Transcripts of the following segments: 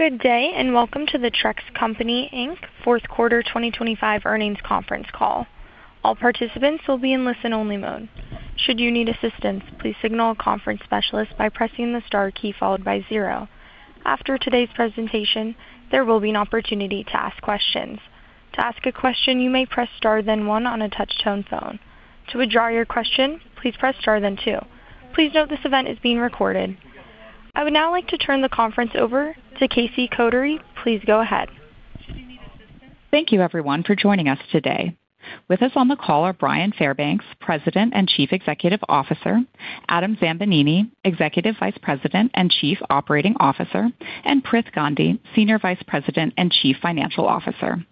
Good day, and welcome to the Trex Company, Inc. Q4 2025 earnings conference call. All participants will be in listen-only mode. Should you need assistance, please signal a conference specialist by pressing the star key followed by 0. After today's presentation, there will be an opportunity to ask questions. To ask a question, you may press Star then 1 on a touch-tone phone. To withdraw your question, please press Star then 2. Please note this event is being recorded. I would now like to turn the conference over to Casey Kotary. Please go ahead. Thank you, everyone, for joining us today. With us on the call are Bryan Fairbanks, President and Chief Executive Officer, Adam Zambanini, Executive Vice President and Chief Operating Officer, and Prith Gandhi, Senior Vice President and Chief Financial Officer.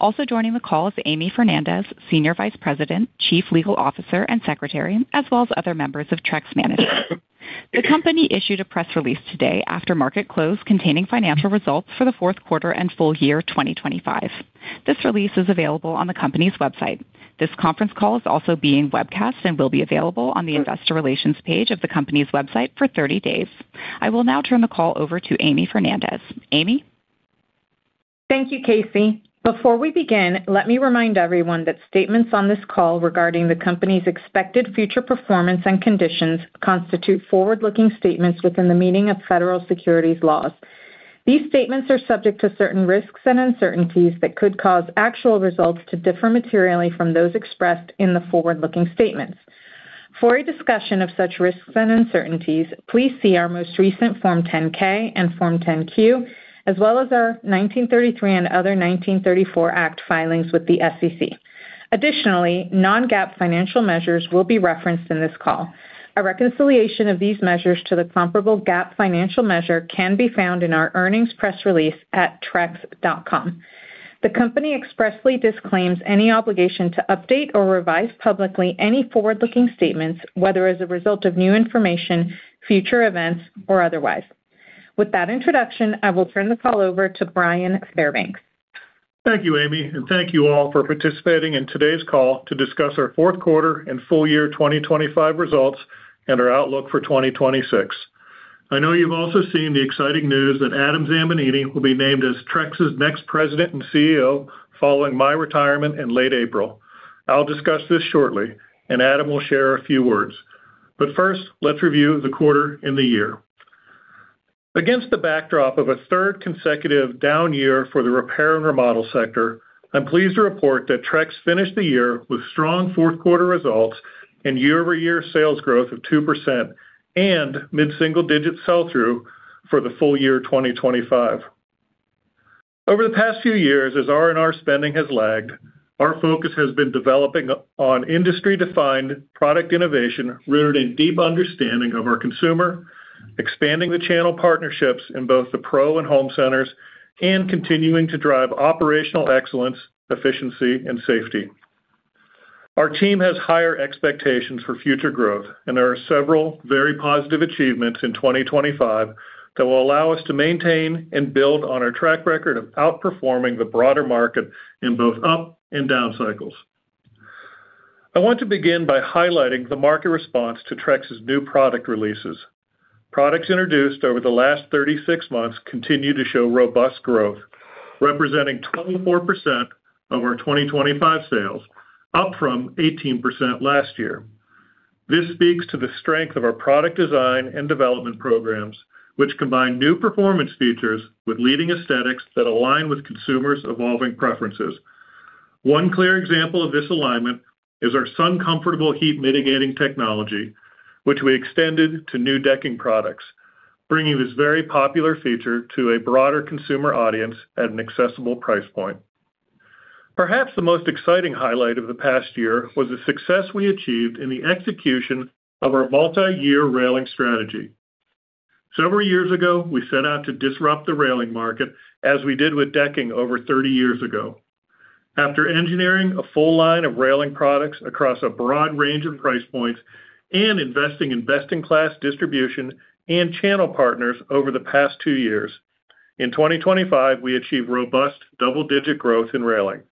Also joining the call is Amy Fernandez, Senior Vice President, Chief Legal Officer, and Secretary, as well as other members of Trex Management. The company issued a press release today after market close, containing financial results for the Q4 and full year 2025. This release is available on the company's website. This conference call is also being webcast and will be available on the investor relations page of the company's website for 30 days. I will now turn the call over to Amy Fernandez. Amy? Thank you, Casey. Before we begin, let me remind everyone that statements on this call regarding the company's expected future performance and conditions constitute forward-looking statements within the meaning of federal securities laws. These statements are subject to certain risks and uncertainties that could cause actual results to differ materially from those expressed in the forward-looking statements. For a discussion of such risks and uncertainties, please see our most recent Form 10-K and Form 10-Q, as well as our 1933 and other 1934 Act filings with the SEC. Additionally, non-GAAP financial measures will be referenced in this call. A reconciliation of these measures to the comparable GAAP financial measure can be found in our earnings press release at trex.com. The company expressly disclaims any obligation to update or revise publicly any forward-looking statements, whether as a result of new information, future events, or otherwise. With that introduction, I will turn the call over to Bryan Fairbanks. Thank you, Amy, and thank you all for participating in today's call to discuss our Q4 and full year 2025 results and our outlook for 2026. I know you've also seen the exciting news that Adam Zambanini will be named as Trex's next President and CEO following my retirement in late April. I'll discuss this shortly, and Adam will share a few words. First, let's review the quarter and the year. Against the backdrop of a third consecutive down year for the repair and remodel sector, I'm pleased to report that Trex finished the year with strong fourth-quarter results and year-over-year sales growth of 2% and mid-single-digit sell-through for the full year 2025. Over the past few years, as R&R spending has lagged, our focus has been developing on industry-defined product innovation, rooted in deep understanding of our consumer, expanding the channel partnerships in both the pro and home centers, and continuing to drive operational excellence, efficiency, and safety. Our team has higher expectations for future growth, and there are several very positive achievements in 2025 that will allow us to maintain and build on our track record of outperforming the broader market in both up and down cycles. I want to begin by highlighting the market response to Trex's new product releases. Products introduced over the last 36 months continue to show robust growth, representing 24% of our 2025 sales, up from 18% last year. This speaks to the strength of our product design and development programs, which combine new performance features with leading aesthetics that align with consumers' evolving preferences. One clear example of this alignment is our Trex's heat-mitigating technology heat mitigating technology, which we extended to new decking products, bringing this very popular feature to a broader consumer audience at an accessible price point. Perhaps the most exciting highlight of the past year was the success we achieved in the execution of our multi-year railing strategy. Several years ago, we set out to disrupt the railing market, as we did with decking over 30 years ago. After engineering a full line of railing products across a broad range of price points and investing in best-in-class distribution and channel partners over the past 2 years, in 2025, we achieved robust double-digit growth in railing.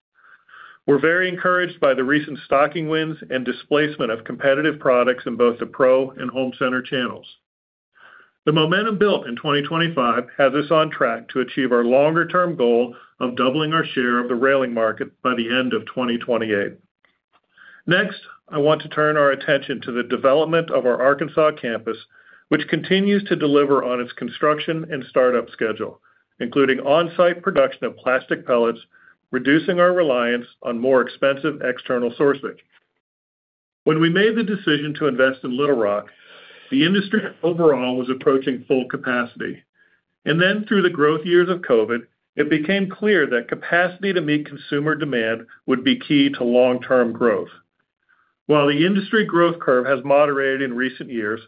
We're very encouraged by the recent stocking wins and displacement of competitive products in both the pro and home center channels. The momentum built in 2025 has us on track to achieve our longer-term goal of doubling our share of the railing market by the end of 2028. I want to turn our attention to the development of our Arkansas campus, which continues to deliver on its construction and start-up schedule, including on-site production of plastic pellets, reducing our reliance on more expensive external sourcing. When we made the decision to invest in Little Rock, the industry overall was approaching full capacity, through the growth years of COVID, it became clear that capacity to meet consumer demand would be key to long-term growth. While the industry growth curve has moderated in recent years,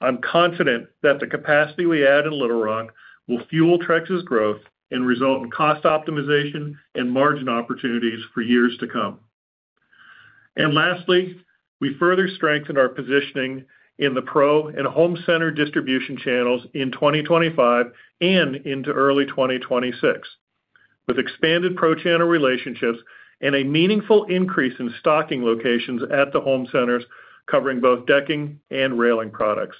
I'm confident that the capacity we add in Little Rock will fuel Trex's growth and result in cost optimization and margin opportunities for years to come. Lastly, we further strengthened our positioning in the pro and home center distribution channels in 2025 and into early 2026 with expanded pro-channel relationships and a meaningful increase in stocking locations at the home centers, covering both decking and railing products.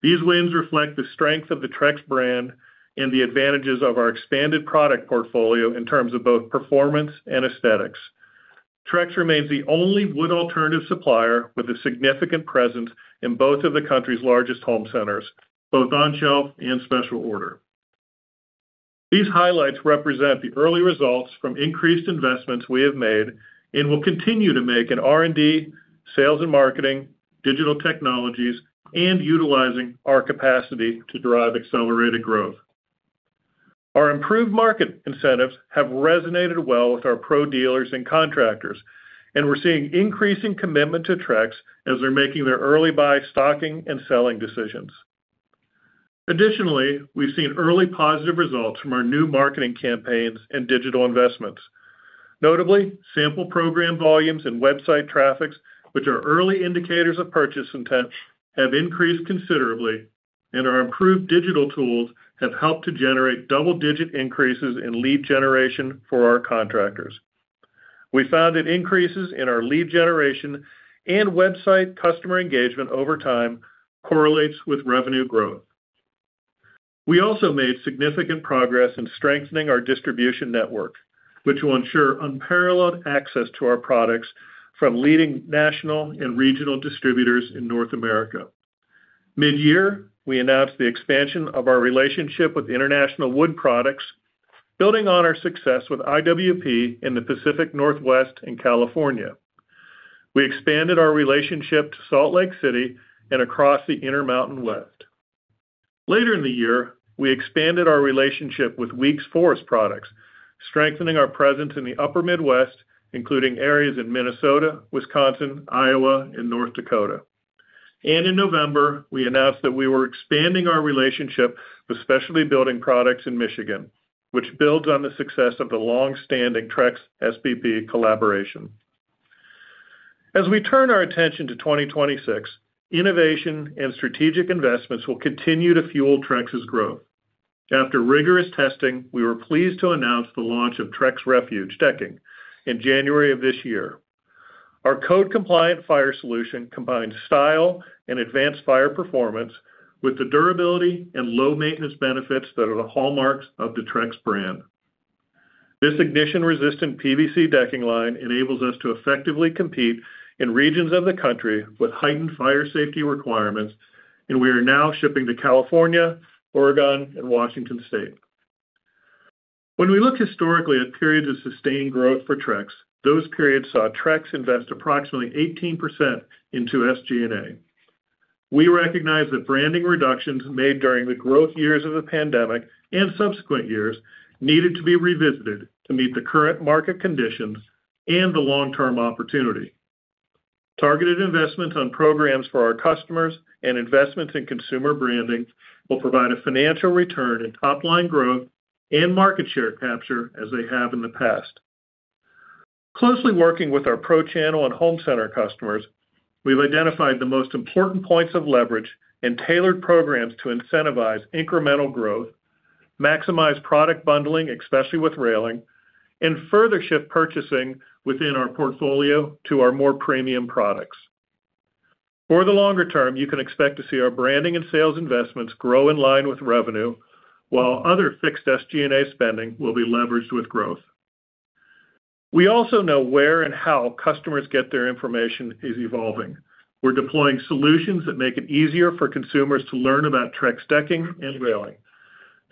These wins reflect the strength of the Trex brand and the advantages of our expanded product portfolio in terms of both performance and aesthetics. Trex remains the only wood alternative supplier with a significant presence in both of the country's largest home centers, both on-shelf and special order. These highlights represent the early results from increased investments we have made and will continue to make in R&D, sales and marketing, digital technologies, and utilizing our capacity to drive accelerated growth. Our improved market incentives have resonated well with our pro dealers and contractors, and we're seeing increasing commitment to Trex as they're making their early buy, stocking, and selling decisions. Additionally, we've seen early positive results from our new marketing campaigns and digital investments. Notably, sample program volumes and website traffics, which are early indicators of purchase intent, have increased considerably, and our improved digital tools have helped to generate double-digit increases in lead generation for our contractors. We found that increases in our lead generation and website customer engagement over time correlates with revenue growth. We also made significant progress in strengthening our distribution network, which will ensure unparalleled access to our products from leading national and regional distributors in North America. Mid-year, we announced the expansion of our relationship with International Wood Products, building on our success with IWP in the Pacific Northwest and California. We expanded our relationship to Salt Lake City and across the Intermountain West. Later in the year, we expanded our relationship with Weekes Forest Products, strengthening our presence in the Upper Midwest, including areas in Minnesota, Wisconsin, Iowa, and North Dakota. In November, we announced that we were expanding our relationship with Specialty Building Products in Michigan, which builds on the success of the long-standing Trex SBP collaboration. As we turn our attention to 2026, innovation and strategic investments will continue to fuel Trex's growth. After rigorous testing, we were pleased to announce the launch of Trex Transcend Lineage decking in January of this year. Our code-compliant fire solution combines style and advanced fire performance with the durability and low maintenance benefits that are the hallmarks of the Trex brand. This ignition-resistant PVC decking line enables us to effectively compete in regions of the country with heightened fire safety requirements, and we are now shipping to California, Oregon, and Washington State. When we look historically at periods of sustained growth for Trex, those periods saw Trex invest approximately 18% into SG&A. We recognize that branding reductions made during the growth years of the pandemic and subsequent years needed to be revisited to meet the current market conditions and the long-term opportunity. Targeted investments on programs for our customers and investments in consumer branding will provide a financial return in top-line growth and market share capture, as they have in the past. Closely working with our pro channel and home center customers, we've identified the most important points of leverage and tailored programs to incentivize incremental growth, maximize product bundling, especially with railing, and further shift purchasing within our portfolio to our more premium products. For the longer term, you can expect to see our branding and sales investments grow in line with revenue, while other fixed SG&A spending will be leveraged with growth. We also know where and how customers get their information is evolving. We're deploying solutions that make it easier for consumers to learn about Trex decking and railing.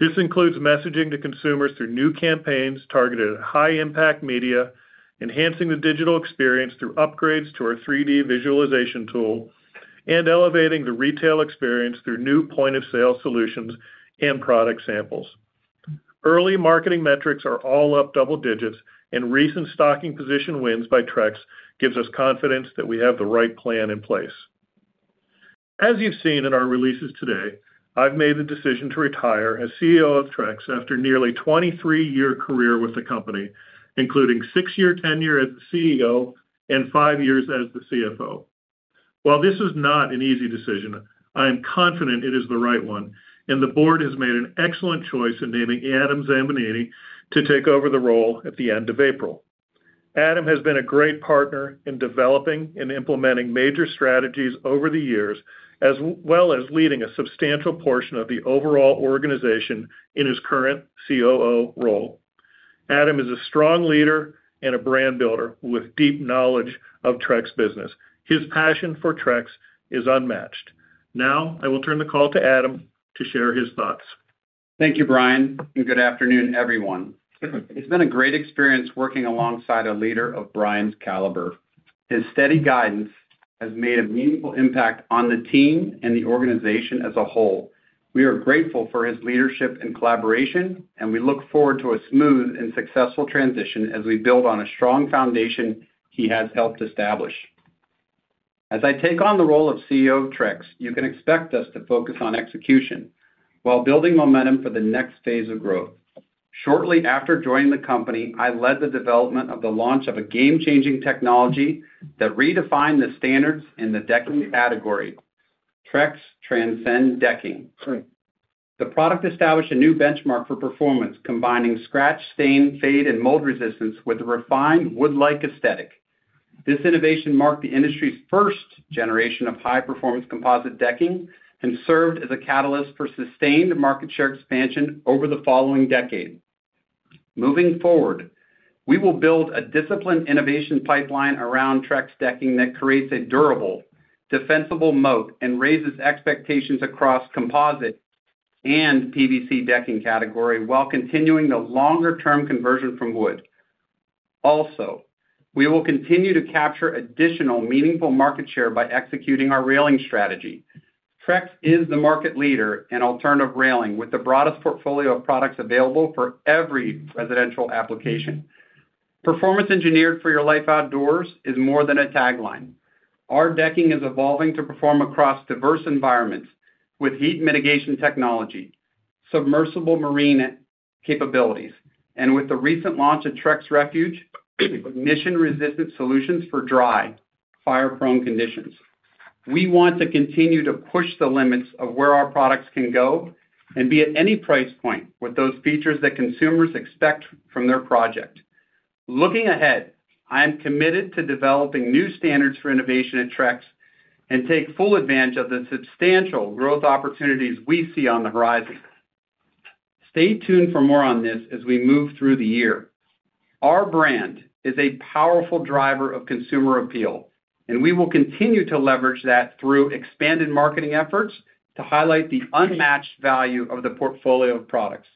This includes messaging to consumers through new campaigns targeted at high-impact media, enhancing the digital experience through upgrades to our 3D visualization tool, and elevating the retail experience through new point-of-sale solutions and product samples. Early marketing metrics are all up double digits, recent stocking position wins by Trex gives us confidence that we have the right plan in place. As you've seen in our releases today, I've made the decision to retire as CEO of Trex after nearly 23-year career with the company, including 6-year tenure as the CEO and 5 years as the CFO. While this is not an easy decision, I am confident it is the right one, the board has made an excellent choice in naming Adam Zambanini to take over the role at the end of April. Adam has been a great partner in developing and implementing major strategies over the years, as well as leading a substantial portion of the overall organization in his current COO role. Adam is a strong leader and a brand builder with deep knowledge of Trex business. His passion for Trex is unmatched. I will turn the call to Adam to share his thoughts. Thank you, Bryan. Good afternoon, everyone. It's been a great experience working alongside a leader of Bryan's caliber. His steady guidance has made a meaningful impact on the team and the organization as a whole. We are grateful for his leadership and collaboration. We look forward to a smooth and successful transition as we build on a strong foundation he has helped establish. As I take on the role of CEO of Trex, you can expect us to focus on execution while building momentum for the next phase of growth. Shortly after joining the company, I led the development of the launch of a game-changing technology that redefined the standards in the decking category. Trex Transcend Decking. The product established a new benchmark for performance, combining scratch, stain, fade, and mold resistance with a refined wood-like aesthetic. This innovation marked the industry's first generation of high-performance composite decking and served as a catalyst for sustained market share expansion over the following decade. Moving forward, we will build a disciplined innovation pipeline around Trex Decking that creates a durable, defensible moat and raises expectations across composite and PVC decking category, while continuing the longer-term conversion from wood. We will continue to capture additional meaningful market share by executing our railing strategy. Trex is the market leader in alternative railing, with the broadest portfolio of products available for every residential application. Performance engineered for your life outdoors is more than a tagline. Our decking is evolving to perform across diverse environments with heat mitigation technology, submersible marine capabilities, and with the recent launch of Trex Refuge, ignition-resistant solutions for dry, fire-prone conditions. We want to continue to push the limits of where our products can go and be at any price point with those features that consumers expect from their project. Looking ahead, I am committed to developing new standards for innovation at Trex and take full advantage of the substantial growth opportunities we see on the horizon. Stay tuned for more on this as we move through the year. Our brand is a powerful driver of consumer appeal, and we will continue to leverage that through expanded marketing efforts to highlight the unmatched value of the portfolio of products.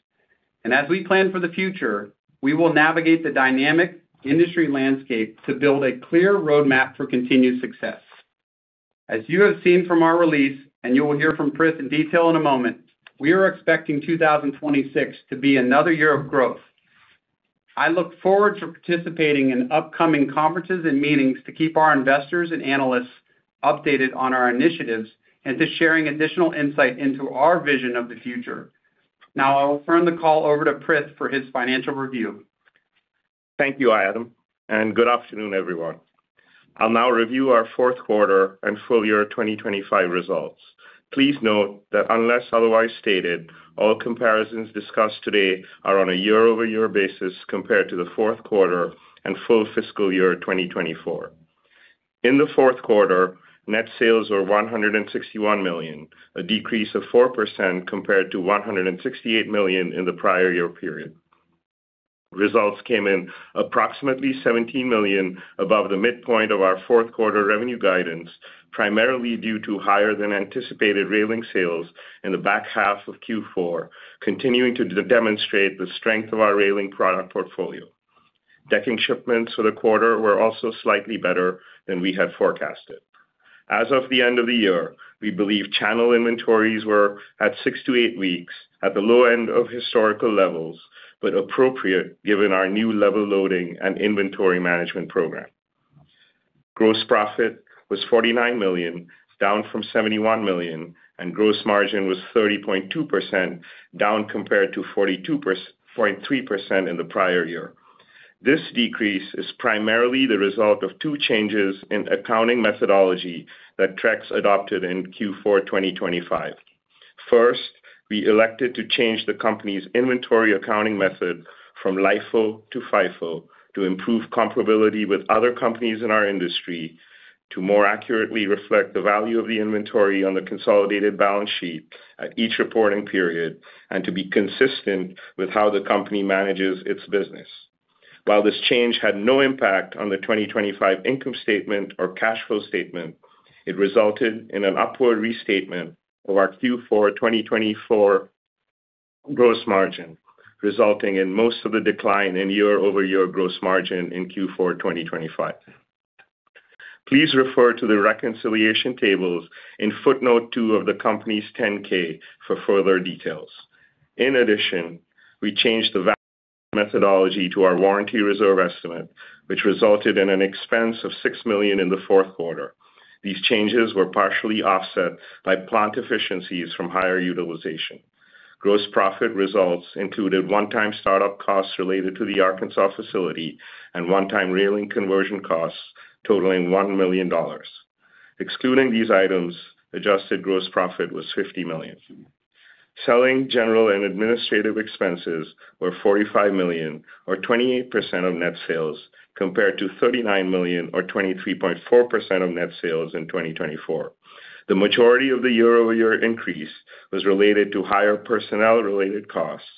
As we plan for the future, we will navigate the dynamic industry landscape to build a clear roadmap for continued success. As you have seen from our release, and you will hear from Prith in detail in a moment, we are expecting 2026 to be another year of growth. I look forward to participating in upcoming conferences and meetings to keep our investors and analysts updated on our initiatives and to sharing additional insight into our vision of the future. I will turn the call over to Prith for his financial review. Thank you, Adam. Good afternoon, everyone. I'll now review our Q4 and full year 2025 results. Please note that unless otherwise stated, all comparisons discussed today are on a year-over-year basis compared to the Q4 and full fiscal year 2024. In the Q4, net sales were $161 million, a decrease of 4% compared to $168 million in the prior year period. Results came in approximately $17 million above the midpoint of our Q4 revenue guidance, primarily due to higher than anticipated railing sales in the back half of Q4, continuing to demonstrate the strength of our railing product portfolio. Decking shipments for the quarter were also slightly better than we had forecasted. As of the end of the year, we believe channel inventories were at six to eight weeks, at the low end of historical levels, but appropriate given our new level loading and inventory management program. Gross profit was $49 million, down from $71 million, and gross margin was 30.2%, down compared to 42.3% in the prior year. This decrease is primarily the result of two changes in accounting methodology that Trex adopted in Q4 2025. First, we elected to change the company's inventory accounting method from LIFO to FIFO to improve comparability with other companies in our industry, to more accurately reflect the value of the inventory on the consolidated balance sheet at each reporting period, and to be consistent with how the company manages its business. While this change had no impact on the 2025 income statement or cash flow statement, it resulted in an upward restatement of our Q4 2024 gross margin, resulting in most of the decline in year-over-year gross margin in Q4 2025. Please refer to the reconciliation tables in footnote 2 of the company's Form 10-K for further details. In addition, we changed the value methodology to our warranty reserve estimate, which resulted in an expense of $6 million in the Q4. These changes were partially offset by plant efficiencies from higher utilization. Gross profit results included one-time start-up costs related to the Arkansas facility and one-time railing conversion costs totaling $1 million. Excluding these items, adjusted gross profit was $50 million. Selling general and administrative expenses were $45 million or 28% of net sales, compared to $39 million or 23.4% of net sales in 2024. The majority of the year-over-year increase was related to higher personnel-related costs.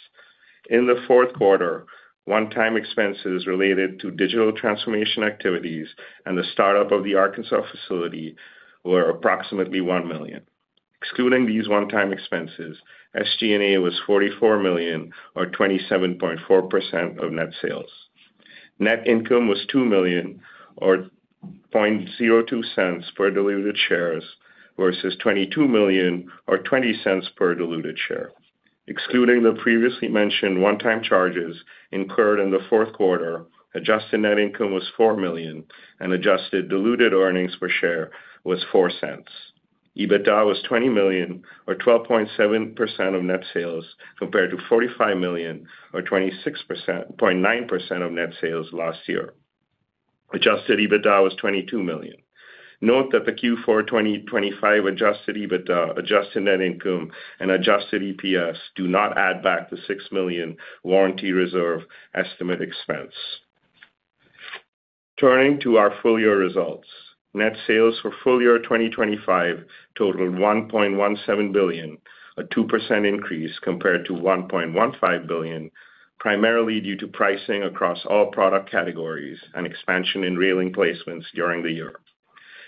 In the Q4, one-time expenses related to digital transformation activities and the startup of the Arkansas facility were approximately $1 million. Excluding these one-time expenses, SG&A was $44 million or 27.4% of net sales. Net income was $2 million or $0.02 per diluted shares, versus $22 million or $0.20 per diluted share. Excluding the previously mentioned one-time charges incurred in the Q4, adjusted net income was $4 million and adjusted diluted earnings per share was $0.04. EBITDA was $20 million or 12.7% of net sales, compared to $45 million or 26.9% of net sales last year. Adjusted EBITDA was $22 million. Note that the Q4 2025 Adjusted EBITDA, adjusted net income, and adjusted EPS do not add back the $6 million warranty reserve estimate expense. Turning to our full year results. Net sales for full year 2025 totaled $1.17 billion, a 2% increase compared to $1.15 billion, primarily due to pricing across all product categories and expansion in railing placements during the year.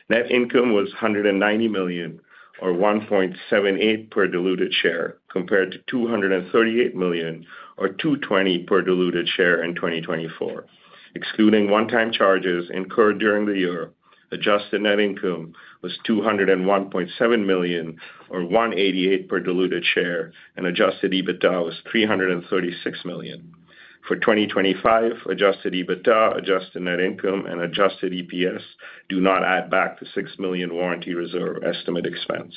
Net income was $190 million, or $1.78 per diluted share, compared to $238 million, or $2.20 per diluted share in 2024. Excluding one-time charges incurred during the year, adjusted net income was $201.7 million, or $1.88 per diluted share, and Adjusted EBITDA was $336 million. For 2025, Adjusted EBITDA, adjusted net income, and adjusted EPS do not add back the $6 million warranty reserve estimate expense.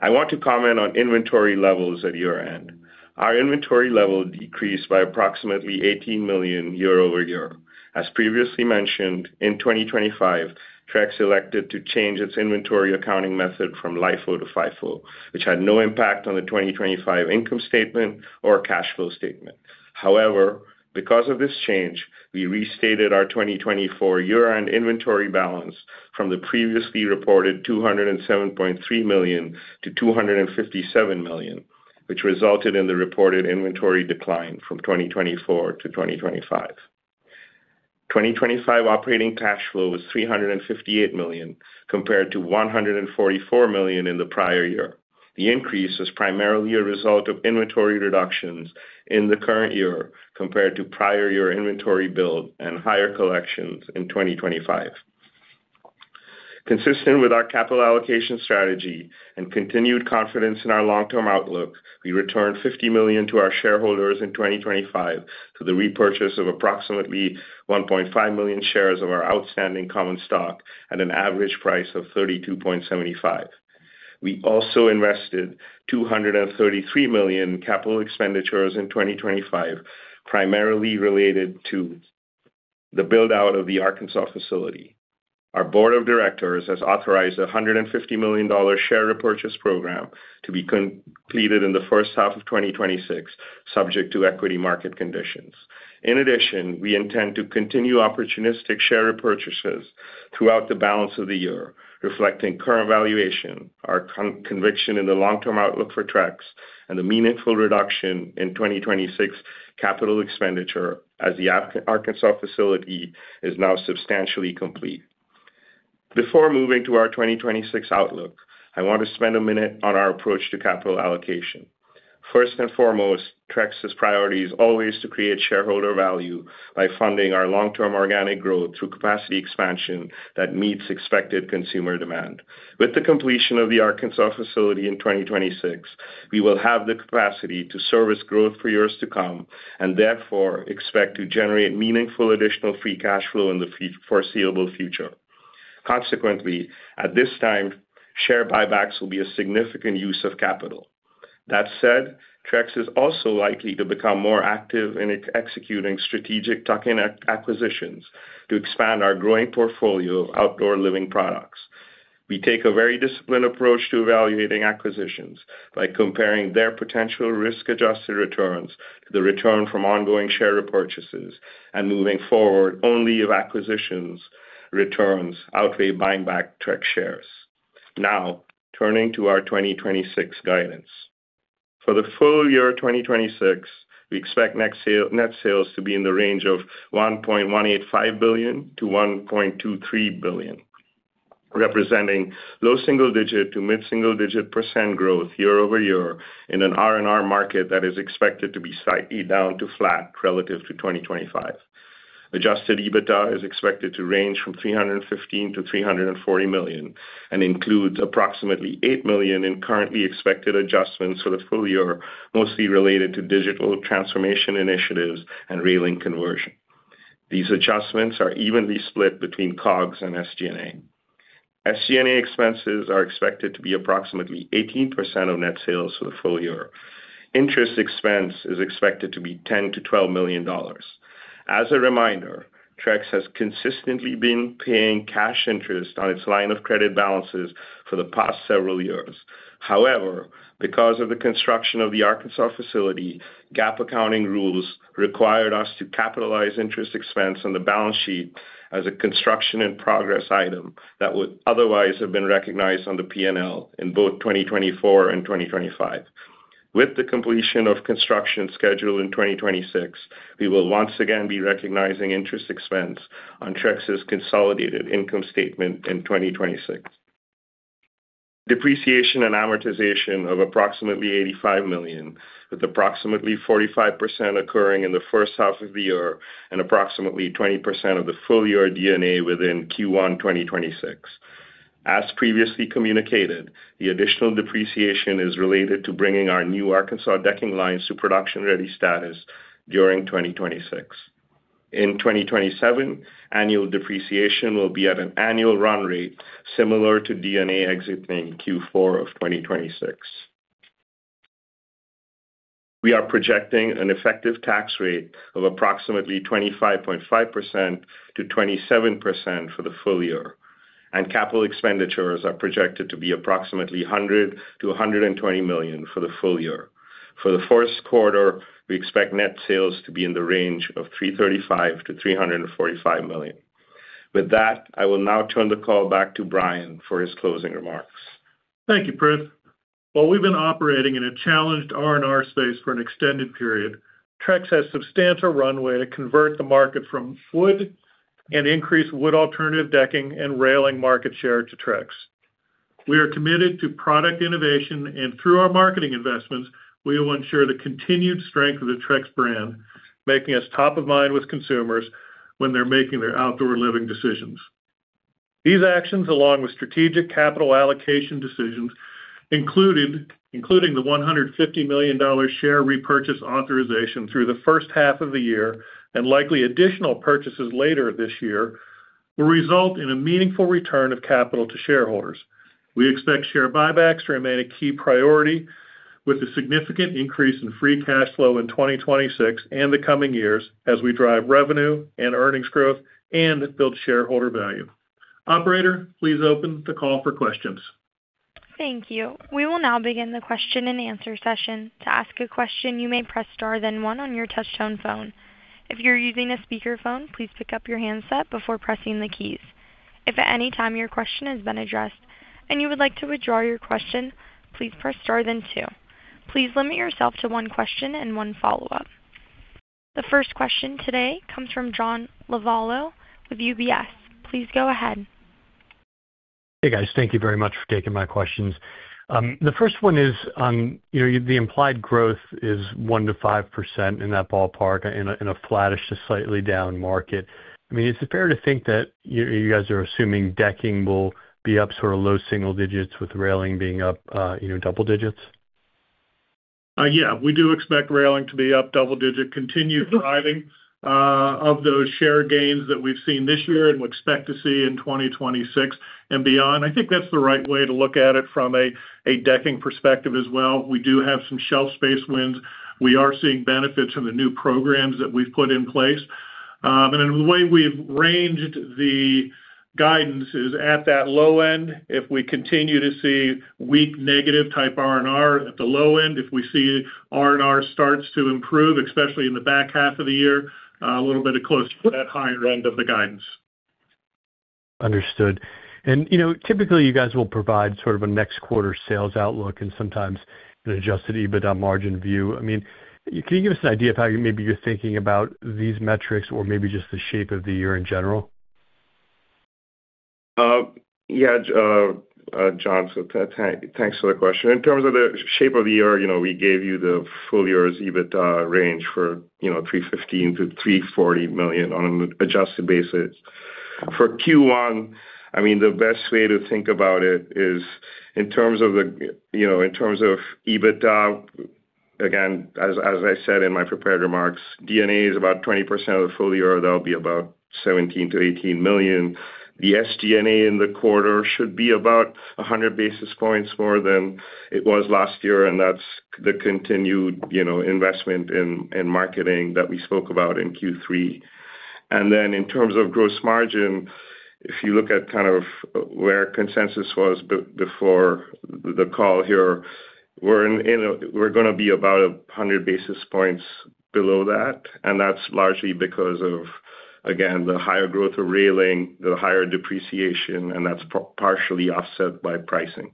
I want to comment on inventory levels at year-end. Our inventory level decreased by approximately $18 million year-over-year. As previously mentioned, in 2025, Trex elected to change its inventory accounting method from LIFO to FIFO, which had no impact on the 2025 income statement or cash flow statement. However, because of this change, we restated our 2024 year-end inventory balance from the previously reported $207.3 million-$257 million, which resulted in the reported inventory decline from 2024 to 2025. 2025 operating cash flow was $358 million, compared to $144 million in the prior year. The increase is primarily a result of inventory reductions in the current year compared to prior year inventory build and higher collections in 2025. Consistent with our capital allocation strategy and continued confidence in our long-term outlook, we returned $50 million to our shareholders in 2025 to the repurchase of approximately 1.5 million shares of our outstanding common stock at an average price of $32.75. We also invested $233 million capital expenditures in 2025, primarily related to the build-out of the Arkansas facility. Our board of directors has authorized a $150 million share repurchase program to be completed in the first half of 2026, subject to equity market conditions. In addition, we intend to continue opportunistic share repurchases throughout the balance of the year, reflecting current valuation, our conviction in the long-term outlook for Trex, and a meaningful reduction in 2026 capital expenditure as the Arkansas facility is now substantially complete. Before moving to our 2026 outlook, I want to spend a minute on our approach to capital allocation. First and foremost, Trex's priority is always to create shareholder value by funding our long-term organic growth through capacity expansion that meets expected consumer demand. With the completion of the Arkansas facility in 2026, we will have the capacity to service growth for years to come, and therefore expect to generate meaningful additional free cash flow in the foreseeable future. Consequently, at this time, share buybacks will be a significant use of capital. Trex is also likely to become more active in executing strategic tuck-in acquisitions to expand our growing portfolio of outdoor living products. We take a very disciplined approach to evaluating acquisitions by comparing their potential risk-adjusted returns to the return from ongoing share repurchases, moving forward, only if acquisitions returns outweigh buying back Trex shares. Turning to our 2026 guidance. For the full year 2026, we expect net sales to be in the range of $1.185 billion-$1.23 billion, representing low single-digit to mid-single-digit % growth year-over-year in an RNR market that is expected to be slightly down to flat relative to 2025. Adjusted EBITDA is expected to range from $315 million-$340 million and includes approximately $8 million in currently expected adjustments for the full year, mostly related to digital transformation initiatives and railing conversion. These adjustments are evenly split between COGS and SG&A. SG&A expenses are expected to be approximately 18% of net sales for the full year. Interest expense is expected to be $10 million-$12 million. As a reminder, Trex has consistently been paying cash interest on its line of credit balances for the past several years. However, because of the construction of the Arkansas facility, GAAP accounting rules required us to capitalize interest expense on the balance sheet as a construction in progress item that would otherwise have been recognized on the PNL in both 2024 and 2025. With the completion of construction scheduled in 2026, we will once again be recognizing interest expense on Trex's consolidated income statement in 2026. Depreciation and amortization of approximately $85 million, with approximately 45% occurring in the first half of the year and approximately 20% of the full year D&A within Q1 2026. As previously communicated, the additional depreciation is related to bringing our new Arkansas decking lines to production-ready status during 2026. In 2027, annual depreciation will be at an annual run rate similar to D&A exiting Q4 of 2026. Capital expenditures are projected to be approximately $100 million-$120 million for the full year. For the Q1, we expect net sales to be in the range of $335 million-$345 million. With that, I will now turn the call back to Bryan for his closing remarks. Thank you, Prith. While we've been operating in a challenged R&R space for an extended period, Trex has substantial runway to convert the market from wood and increase wood-alternative decking and railing market share to Trex. Through our marketing investments, we will ensure the continued strength of the Trex brand, making us top of mind with consumers when they're making their outdoor living decisions. These actions, along with strategic capital allocation decisions, including the $150 million share repurchase authorization through the first half of the year and likely additional purchases later this year, will result in a meaningful return of capital to shareholders. We expect share buybacks to remain a key priority, with a significant increase in free cash flow in 2026 and the coming years as we drive revenue and earnings growth and build shareholder value. Operator, please open the call for questions. Thank you. We will now begin the question-and-answer session. To ask a question, you may press Star, then 1 on your touch-tone phone. If you're using a speakerphone, please pick up your handset before pressing the keys. If at any time your question has been addressed and you would like to withdraw your question, please press Star, then 2. Please limit yourself to one question and one follow-up. The first question today comes from John Lovallo with UBS. Please go ahead. Hey, guys. Thank you very much for taking my questions. The first one is, you know, the implied growth is 1%-5% in that ballpark in a flattish to slightly down market. I mean, is it fair to think that you guys are assuming decking will be up sort of low single digits with railing being up, you know, double digits? Yeah, we do expect railing to be up double-digit, continued driving, of those share gains that we've seen this year and we expect to see in 2026 and beyond. I think that's the right way to look at it from a decking perspective as well. We do have some shelf space wins. We are seeing benefits from the new programs that we've put in place. In the way we've ranged the guidance is at that low end, if we continue to see weak, negative type R&R at the low end, if we see R&R starts to improve, especially in the back half of the year, a little bit of close to that higher end of the guidance. Understood. You know, typically, you guys will provide sort of a next quarter sales outlook and sometimes an Adjusted EBITDA margin view. I mean, can you give us an idea of how you maybe you're thinking about these metrics or maybe just the shape of the year in general? Yeah, thanks for the question. In terms of the shape of the year, you know, we gave you the full year's EBITDA range for, you know, $315 million-$340 million on an adjusted basis. For Q1, I mean, the best way to think about it is in terms of the, you know, in terms of EBITDA, again, as I said in my prepared remarks, D&A is about 20% of the full year. That'll be about $17 million-$18 million. The SG&A in the quarter should be about 100 basis points more than it was last year. That's the continued, you know, investment in marketing that we spoke about in Q3. In terms of gross margin, if you look at kind of where consensus was before the call here, we're gonna be about 100 basis points below that, and that's largely because of, again, the higher growth of railing, the higher depreciation, and that's partially offset by pricing.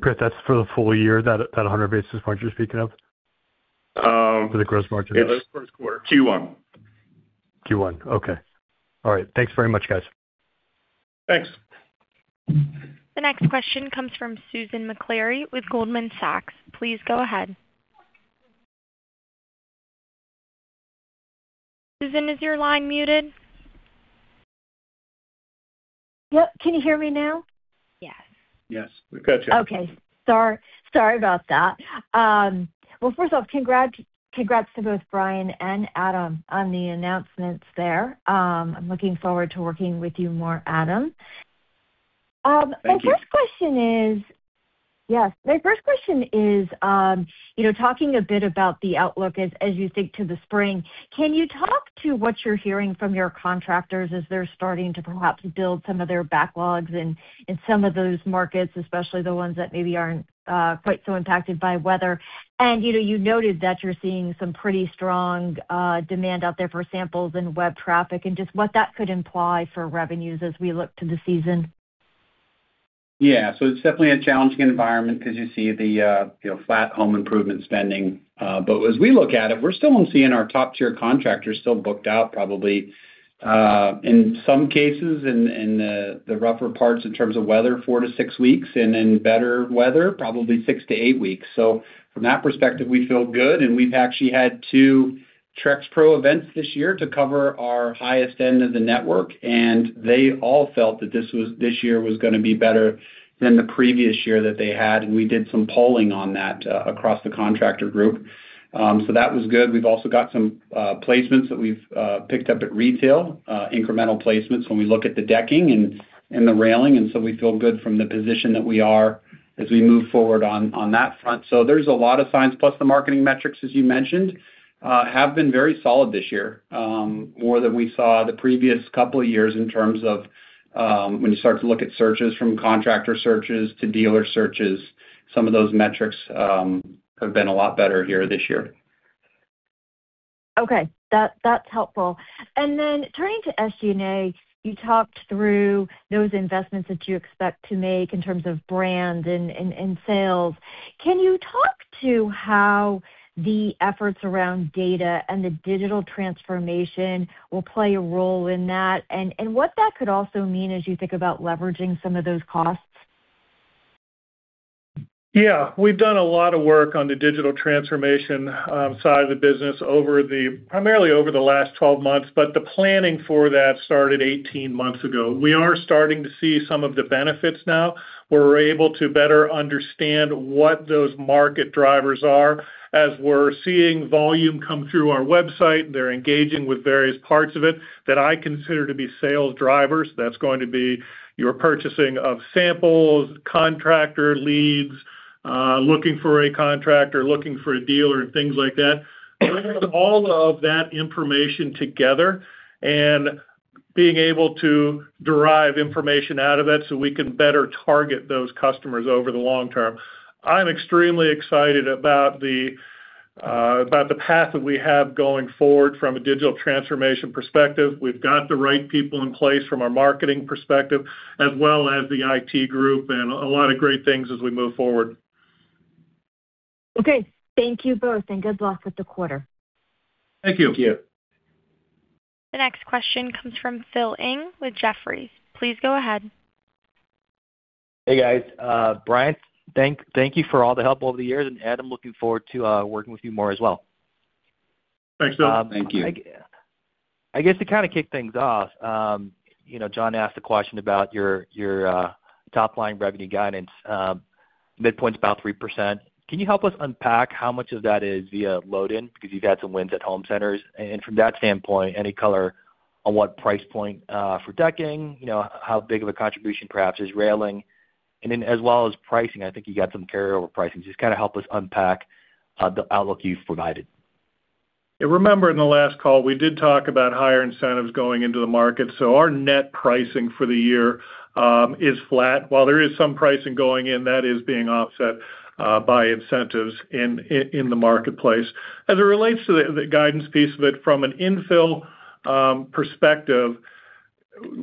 Prith, that's for the full year, that 100 basis points you're speaking of? For the gross margin. Yeah, the Q1. Q1. Okay. All right. Thanks very much, guys. Thanks. The next question comes from Susan Maklari with Goldman Sachs. Please go ahead. Susan, is your line muted? Yep. Can you hear me now? Yes. Yes, we've got you. Okay. Sorry about that. Well, first off, congrats to both Bryan and Adam on the announcements there. I'm looking forward to working with you more, Adam. Thank you. Yes. My first question is, you know, talking a bit about the outlook as you think to the spring, can you talk to what you're hearing from your contractors as they're starting to perhaps build some of their backlogs in some of those markets, especially the ones that maybe aren't quite so impacted by weather? You know, you noted that you're seeing some pretty strong demand out there for samples and web traffic and just what that could imply for revenues as we look to the season? Yeah. It's definitely a challenging environment because you see the, you know, flat home improvement spending. As we look at it, we're still seeing our top-tier contractors still booked out, probably, in some cases, in the rougher parts in terms of weather, 4 to 6 weeks, and in better weather, probably 6 to 8 weeks. From that perspective, we feel good, and we've actually had 2 TrexPro events this year to cover our highest end of the network, and they all felt that this year was gonna be better than the previous year that they had, and we did some polling on that, across the contractor group. That was good. We've also got some placements that we've picked up at retail, incremental placements when we look at the decking and the railing, and so we feel good from the position that we are as we move forward on that front. There's a lot of signs, plus the marketing metrics, as you mentioned, have been very solid this year, more than we saw the previous couple of years in terms of when you start to look at searches, from contractor searches to dealer searches, some of those metrics have been a lot better here this year. Okay. That's helpful. Turning to SG&A, you talked through those investments that you expect to make in terms of brand and sales. Can you talk to how the efforts around data and the digital transformation will play a role in that? What that could also mean as you think about leveraging some of those costs? We've done a lot of work on the digital transformation side of the business primarily over the last 12 months, but the planning for that started 18 months ago. We are starting to see some of the benefits now, where we're able to better understand what those market drivers are. As we're seeing volume come through our website, they're engaging with various parts of it that I consider to be sales drivers. That's going to be your purchasing of samples, contractor leads, looking for a contractor, looking for a dealer, and things like that. Bringing all of that information together and being able to derive information out of it so we can better target those customers over the long term. I'm extremely excited about the about the path that we have going forward from a digital transformation perspective. We've got the right people in place from a marketing perspective, as well as the IT group, and a lot of great things as we move forward. Okay. Thank you both, and good luck with the quarter. Thank you. Thank you. The next question comes from Philip Ng with Jefferies. Please go ahead. Hey, guys. Bryan Fairbanks, thank you for all the help over the years, and Adam, looking forward to working with you more as well. Thanks, Phil. Thank you. I guess to kind of kick things off, you know, John asked a question about your top-line revenue guidance. Midpoint's about 3%. Can you help us unpack how much of that is via load-in? Because you've had some wins at home centers. From that standpoint, any color on what price point for decking, you know, how big of a contribution perhaps is railing? Then as well as pricing, I think you got some carryover pricing. Just kind of help us unpack the outlook you've provided. If you remember in the last call, we did talk about higher incentives going into the market, so our net pricing for the year is flat. While there is some pricing going in, that is being offset by incentives in the marketplace. As it relates to the guidance piece of it from an infill perspective,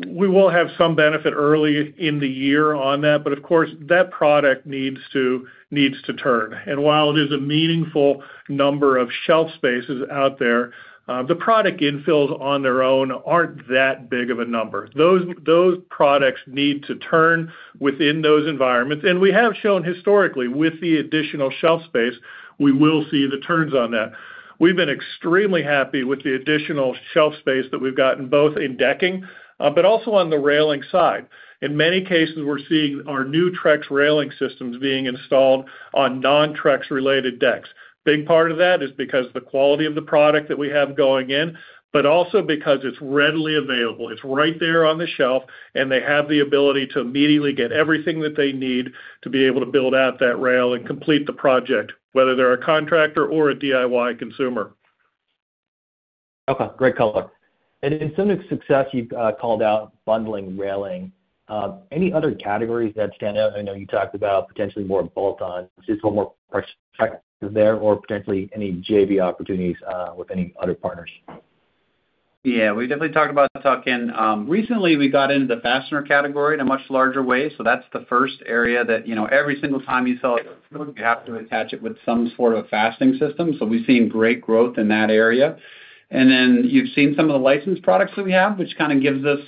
we will have some benefit early in the year on that, but of course, that product needs to turn. While it is a meaningful number of shelf spaces out there, the product infills on their own aren't that big of a number. Those products need to turn within those environments. We have shown historically, with the additional shelf space, we will see the turns on that. We've been extremely happy with the additional shelf space that we've gotten, both in decking, but also on the railing side. In many cases, we're seeing our new Trex railing systems being installed on non-Trex-related decks. Big part of that is because the quality of the product that we have going in, but also because it's readily available. It's right there on the shelf, and they have the ability to immediately get everything that they need to be able to build out that rail and complete the project, whether they're a contractor or a DIY consumer. Okay, great color. In some of the success you've called out bundling, railing, any other categories that stand out? I know you talked about potentially more bolt-ons. Just one more there or potentially any JV opportunities with any other partners. Yeah, we definitely talked about tuck-in. Recently, we got into the fastener category in a much larger way, that's the first area that, you know, every single time you sell, you have to attach it with some sort of fastening system. We've seen great growth in that area. You've seen some of the licensed products that we have, which kind of gives us,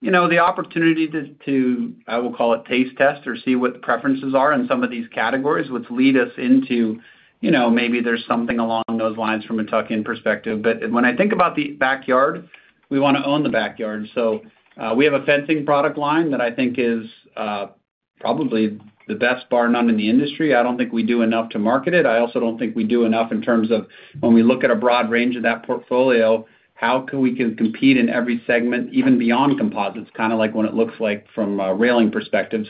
you know, the opportunity to, I will call it, taste test or see what the preferences are in some of these categories, which lead us into, you know, maybe there's something along those lines from a tuck-in perspective. When I think about the backyard, we want to own the backyard. We have a fencing product line that I think is probably the best bar none in the industry. I don't think we do enough to market it. I also don't think we do enough in terms of when we look at a broad range of that portfolio, how can we compete in every segment, even beyond composites, kind of like what it looks like from a railing perspective.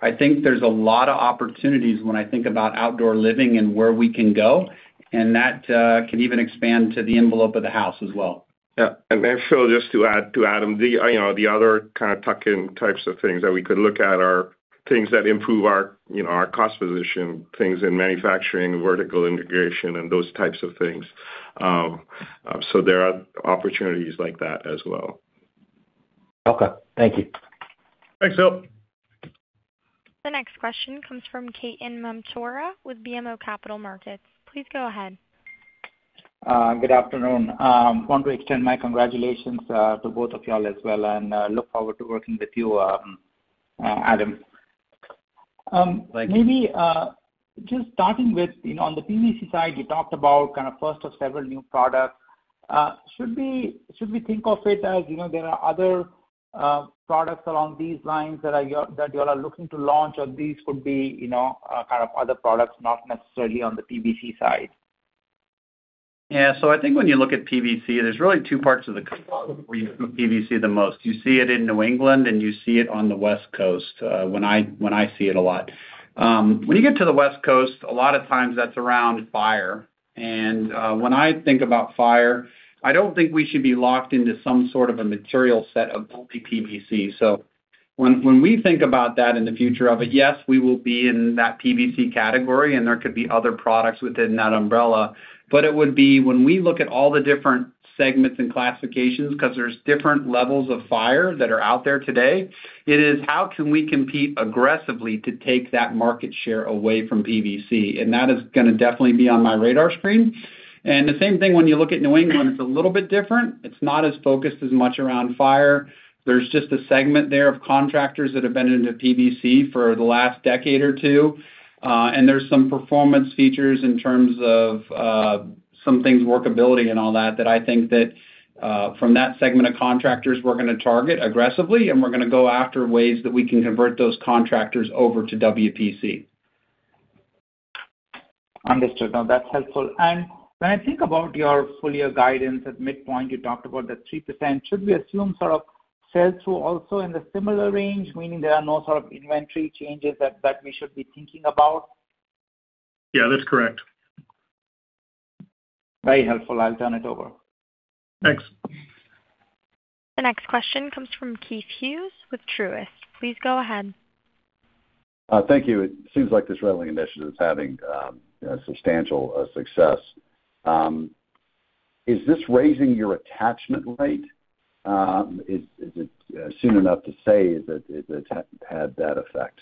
I think there's a lot of opportunities when I think about outdoor living and where we can go, and that can even expand to the envelope of the house as well. Phil, just to add to Adam, you know, the other kind of tuck-in types of things that we could look at are things that improve our, you know, our cost position, things in manufacturing, vertical integration, and those types of things. So there are opportunities like that as well. Okay. Thank you. Thanks, Phil. The next question comes from Ketan Mamtora with BMO Capital Markets. Please go ahead. Good afternoon. Want to extend my congratulations to both of y'all as well, and look forward to working with you, Adam. Thank you. Maybe, just starting with, you know, on the PVC side, you talked about kind of first of several new products.... should we think of it as, you know, there are other products along these lines that you all are looking to launch, or these could be, you know, kind of other products, not necessarily on the PVC side? Yeah. I think when you look at PVC, there's really two parts of the company where you see PVC the most. You see it in New England, and you see it on the West Coast, when I, when I see it a lot. When you get to the West Coast, a lot of times that's around fire. When I think about fire, I don't think we should be locked into some sort of a material set of multi PVC. When we think about that in the future of it, yes, we will be in that PVC category, and there could be other products within that umbrella, but it would be when we look at all the different segments and classifications, because there's different levels of fire that are out there today, it is, how can we compete aggressively to take that market share away from PVC? That is gonna definitely be on my radar screen. The same thing when you look at New England, it's a little bit different. It's not as focused as much around fire. There's just a segment there of contractors that have been into PVC for the last decade or 2. There's some performance features in terms of, some things, workability and all that I think that, from that segment of contractors, we're gonna target aggressively, and we're gonna go after ways that we can convert those contractors over to WPC. Understood. Now, that's helpful. When I think about your full year guidance at midpoint, you talked about the 3%. Should we assume sort of sales through also in the similar range, meaning there are no sort of inventory changes that we should be thinking about? Yeah, that's correct. Very helpful. I'll turn it over. Thanks. The next question comes from Keith Hughes with Truist. Please go ahead. Thank you. It seems like this railing initiative is having a substantial success. Is this raising your attachment rate? Is it soon enough to say, is that it's had that effect?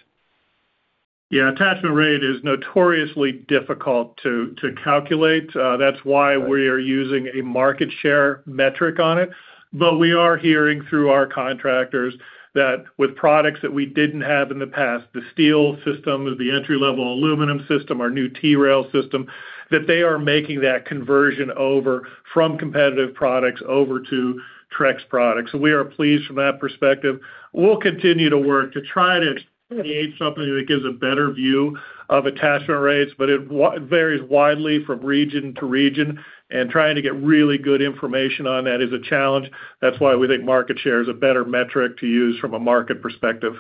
Yeah, attachment rate is notoriously difficult to calculate. That's why we are using a market share metric on it. We are hearing through our contractors that with products that we didn't have in the past, the steel system, or the entry-level aluminum system, our new T-Rail system, that they are making that conversion over from competitive products over to Trex products. We are pleased from that perspective. We'll continue to work to try to create something that gives a better view of attachment rates, but it varies widely from region to region, and trying to get really good information on that is a challenge. That's why we think market share is a better metric to use from a market perspective.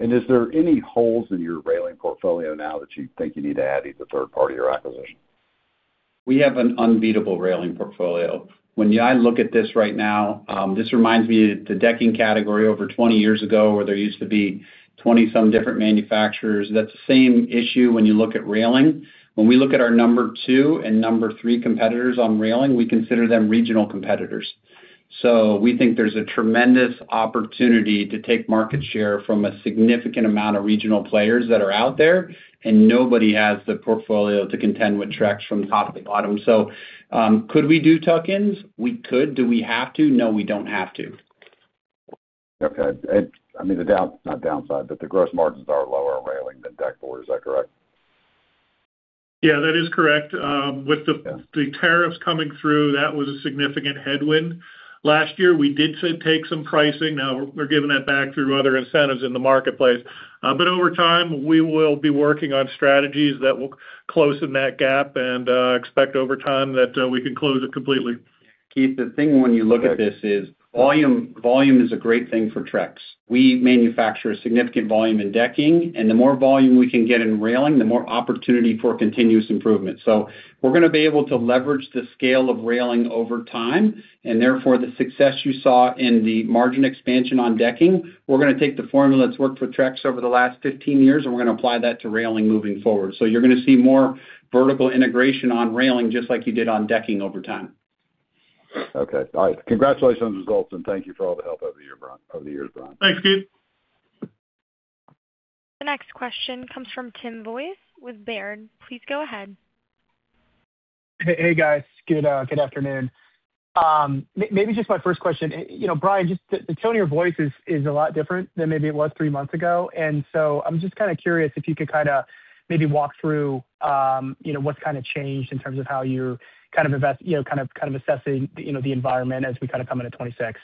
Is there any holes in your railing portfolio now that you think you need to add, either third party or acquisition? We have an unbeatable railing portfolio. When I look at this right now, this reminds me of the decking category over 20 years ago, where there used to be 20 some different manufacturers. That's the same issue when you look at railing. When we look at our number 2 and number 3 competitors on railing, we consider them regional competitors. We think there's a tremendous opportunity to take market share from a significant amount of regional players that are out there, and nobody has the portfolio to contend with Trex from top to bottom. Could we do tuck-ins? We could. Do we have to? No, we don't have to. Okay. I mean, not downside, but the gross margins are lower in railing than deck board. Is that correct? Yeah, that is correct. Yeah... the tariffs coming through, that was a significant headwind. Last year, we did say, take some pricing. Now we're giving that back through other incentives in the marketplace. Over time, we will be working on strategies that will close in that gap and expect over time that we can close it completely. Keith, the thing when you look at this is volume is a great thing for Trex. We manufacture a significant volume in decking, and the more volume we can get in railing, the more opportunity for continuous improvement. We're gonna be able to leverage the scale of railing over time, and therefore, the success you saw in the margin expansion on decking, we're gonna take the formula that's worked for Trex over the last 15 years, and we're gonna apply that to railing moving forward. You're gonna see more vertical integration on railing, just like you did on decking over time. Okay. All right. Congratulations on the results, and thank you for all the help over the year, Bryan, over the years, Bryan. Thanks, Keith. The next question comes from Trey Grooms with Baird. Please go ahead. Hey, guys. Good afternoon. Maybe just my first question, you know, Bryan, just the tone of your voice is a lot different than maybe it was three months ago. I'm just kinda curious if you could kinda maybe walk through, you know, what's kinda changed in terms of how you're kind of assessing, you know, the environment as we kind of come into 2026.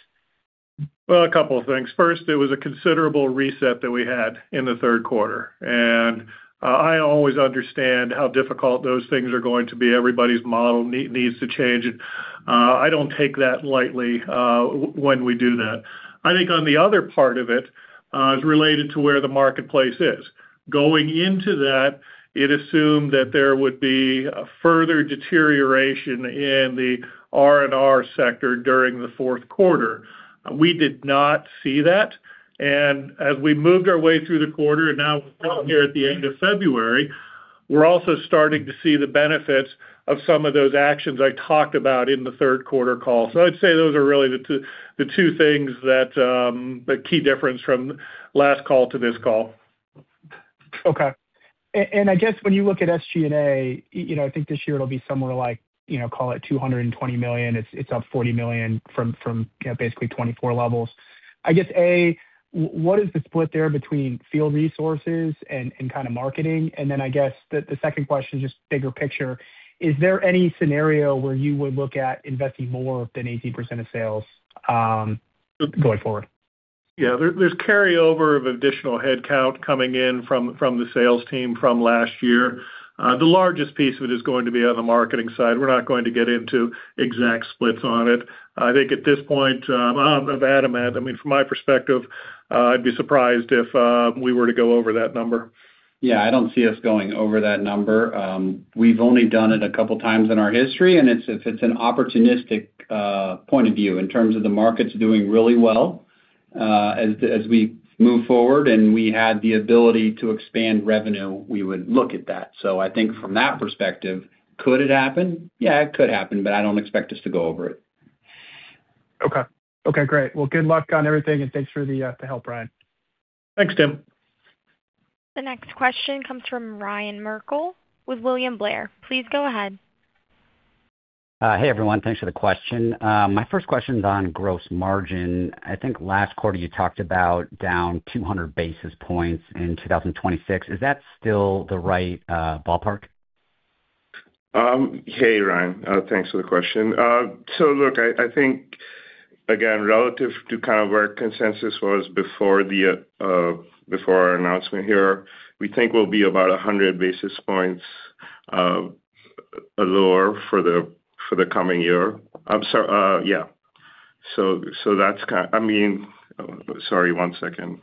Well, a couple of things. First, there was a considerable reset that we had in the Q3, and I always understand how difficult those things are going to be. Everybody's model needs to change, and I don't take that lightly when we do that. I think on the other part of it is related to where the marketplace is. Going into that, it assumed that there would be a further deterioration in the R&R sector during the Q4. We did not see that, and as we moved our way through the quarter, and now we're here at the end of February, we're also starting to see the benefits of some of those actions I talked about in the Q3 call. I'd say those are really the two, the two things that, the key difference from last call to this call. Okay. I guess when you look at SG&A, you know, I think this year it'll be somewhere like, you know, call it $220 million. It's up $40 million from, you know, basically 2024 levels. I guess, A, what is the split there between field resources and kind of marketing? I guess the second question, just bigger picture, is there any scenario where you would look at investing more than 80% of sales going forward? Yeah. There's carryover of additional headcount coming in from the sales team from last year. The largest piece of it is going to be on the marketing side. We're not going to get into exact splits on it. I think at this point, Adam, I mean, from my perspective, I'd be surprised if we were to go over that number. I don't see us going over that number. We've only done it a couple times in our history, and it's an opportunistic point of view in terms of the markets doing really well. As we move forward and we had the ability to expand revenue, we would look at that. I think from that perspective, could it happen? It could happen, but I don't expect us to go over it. Okay. Okay, great. Well, good luck on everything, and thanks for the help, Bryan. Thanks, Tim. The next question comes from Ryan Merkel with William Blair. Please go ahead. Hey, everyone. Thanks for the question. My first question is on gross margin. I think last quarter you talked about down 200 basis points in 2026. Is that still the right ballpark? Hey, Ryan, thanks for the question. Look, I think, again, relative to kind of where consensus was before the before our announcement here, we think we'll be about 100 basis points lower for the for the coming year. I'm sorry, yeah. That's I mean. Sorry, 1 second.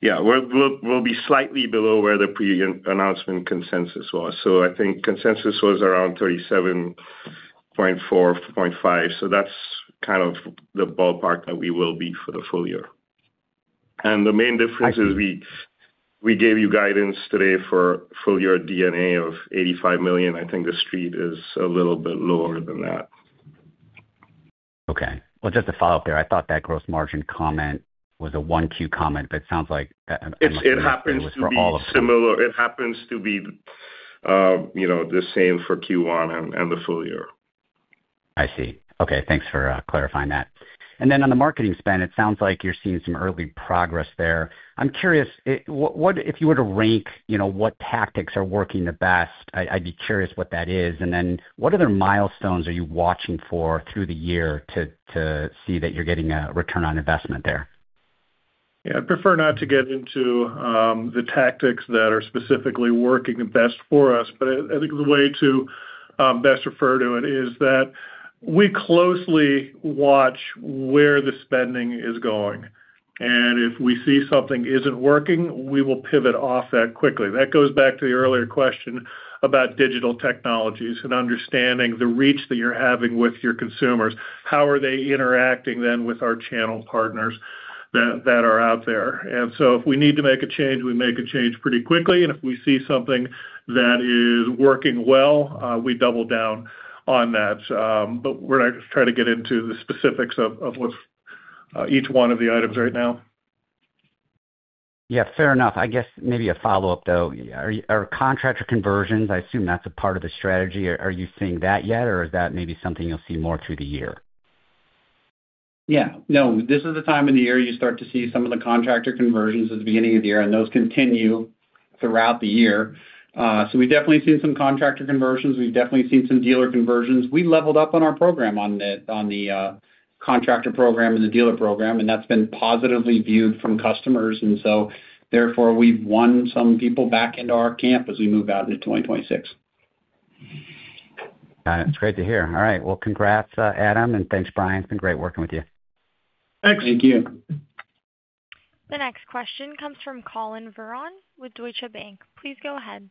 Yeah, we'll be slightly below where the announcement consensus was. I think consensus was around 37.4, 37.5. That's kind of the ballpark that we will be for the full year. The main difference is we gave you guidance today for full year D&A of $85 million. I think the street is a little bit lower than that. Okay. Just to follow up there, I thought that gross margin comment was a 1Q comment, but it sounds like. It happens to be. For all of them. It happens to be, you know, the same for Q1 and the full year. I see. Okay, thanks for clarifying that. On the marketing spend, it sounds like you're seeing some early progress there. I'm curious, if you were to rank, you know, what tactics are working the best, I'd be curious what that is. What other milestones are you watching for through the year to see that you're getting a return on investment there? Yeah. I'd prefer not to get into the tactics that are specifically working the best for us, but I think the way to best refer to it is that we closely watch where the spending is going, and if we see something isn't working, we will pivot off that quickly. That goes back to the earlier question about digital technologies and understanding the reach that you're having with your consumers. How are they interacting then with our channel partners that are out there? If we need to make a change, we make a change pretty quickly, and if we see something that is working well, we double down on that. But we're not trying to get into the specifics of what each one of the items right now. Yeah, fair enough. I guess maybe a follow-up, though. Are contractor conversions, I assume that's a part of the strategy? Are you seeing that yet, or is that maybe something you'll see more through the year? Yeah. No, this is the time of the year you start to see some of the contractor conversions at the beginning of the year. Those continue throughout the year. We've definitely seen some contractor conversions. We've definitely seen some dealer conversions. We leveled up on our program on the contractor program and the dealer program. That's been positively viewed from customers. Therefore, we've won some people back into our camp as we move out into 2026. Got it. It's great to hear. All right. Well, congrats, Adam, and thanks, Bryan. It's been great working with you. Thanks. Thank you. The next question comes from Colin Verdon with Deutsche Bank. Please go ahead.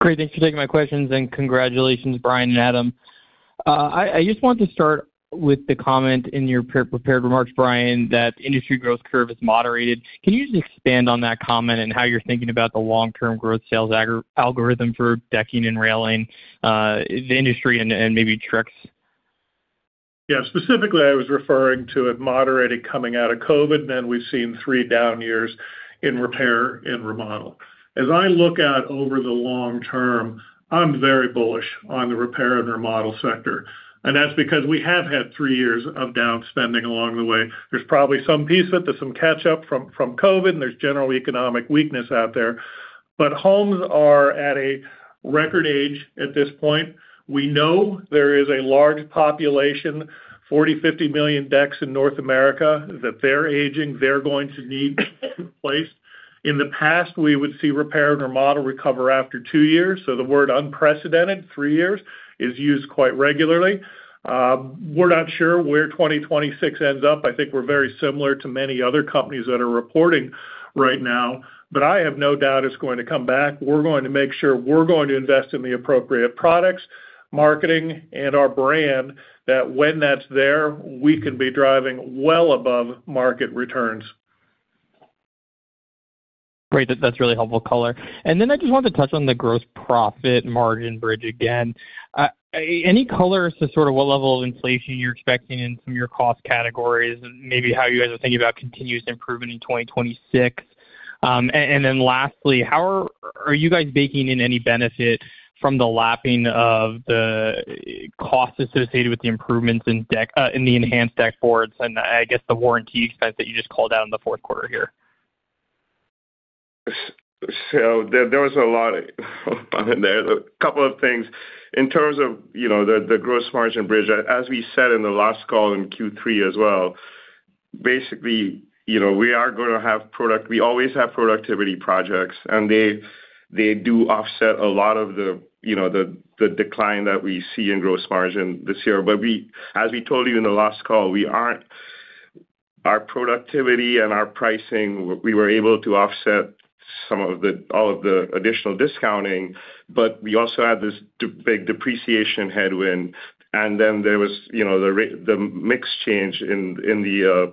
Great. Thanks for taking my questions, and congratulations, Bryan and Adam. I just want to start with the comment in your pre-prepared remarks, Bryan, that industry growth curve is moderated. Can you just expand on that comment and how you're thinking about the long-term growth sales algorithm for decking and railing, the industry and maybe Trex? Yeah. Specifically, I was referring to it moderated coming out of COVID, then we've seen three down years in repair and remodel. As I look out over the long term, I'm very bullish on the repair and remodel sector, and that's because we have had three years of down spending along the way. There's probably some piece of it, there's some catch up from COVID, and there's general economic weakness out there. Homes are at a record age at this point. We know there is a large population, 40, 50 million decks in North America, that they're aging, they're going to need replaced. In the past, we would see repair and remodel recover after two years, the word unprecedented, three years, is used quite regularly. We're not sure where 2026 ends up. I think we're very similar to many other companies that are reporting right now. I have no doubt it's going to come back. We're going to make sure we're going to invest in the appropriate products, marketing, and our brand, that when that's there, we can be driving well above market returns. Great. That's really helpful color. I just wanted to touch on the gross profit margin bridge again. any color as to sort of what level of inflation you're expecting in some of your cost categories, and maybe how you guys are thinking about continuous improvement in 2026? and then lastly, how are. Are you guys baking in any benefit from the lapping of the cost associated with the improvements in deck, in the enhanced deck boards and, I guess, the warranty expense that you just called out in the Q4 here? There was a lot in there. A couple of things. In terms of, you know, the gross margin bridge, as we said in the last call in Q3 as well, basically, you know, we are gonna have productivity projects, and they do offset a lot of the, you know, the decline that we see in gross margin this year. As we told you in the last call, our productivity and our pricing, we were able to offset some of the, all of the additional discounting, but we also had this big depreciation headwind. There was, you know, the mix change in the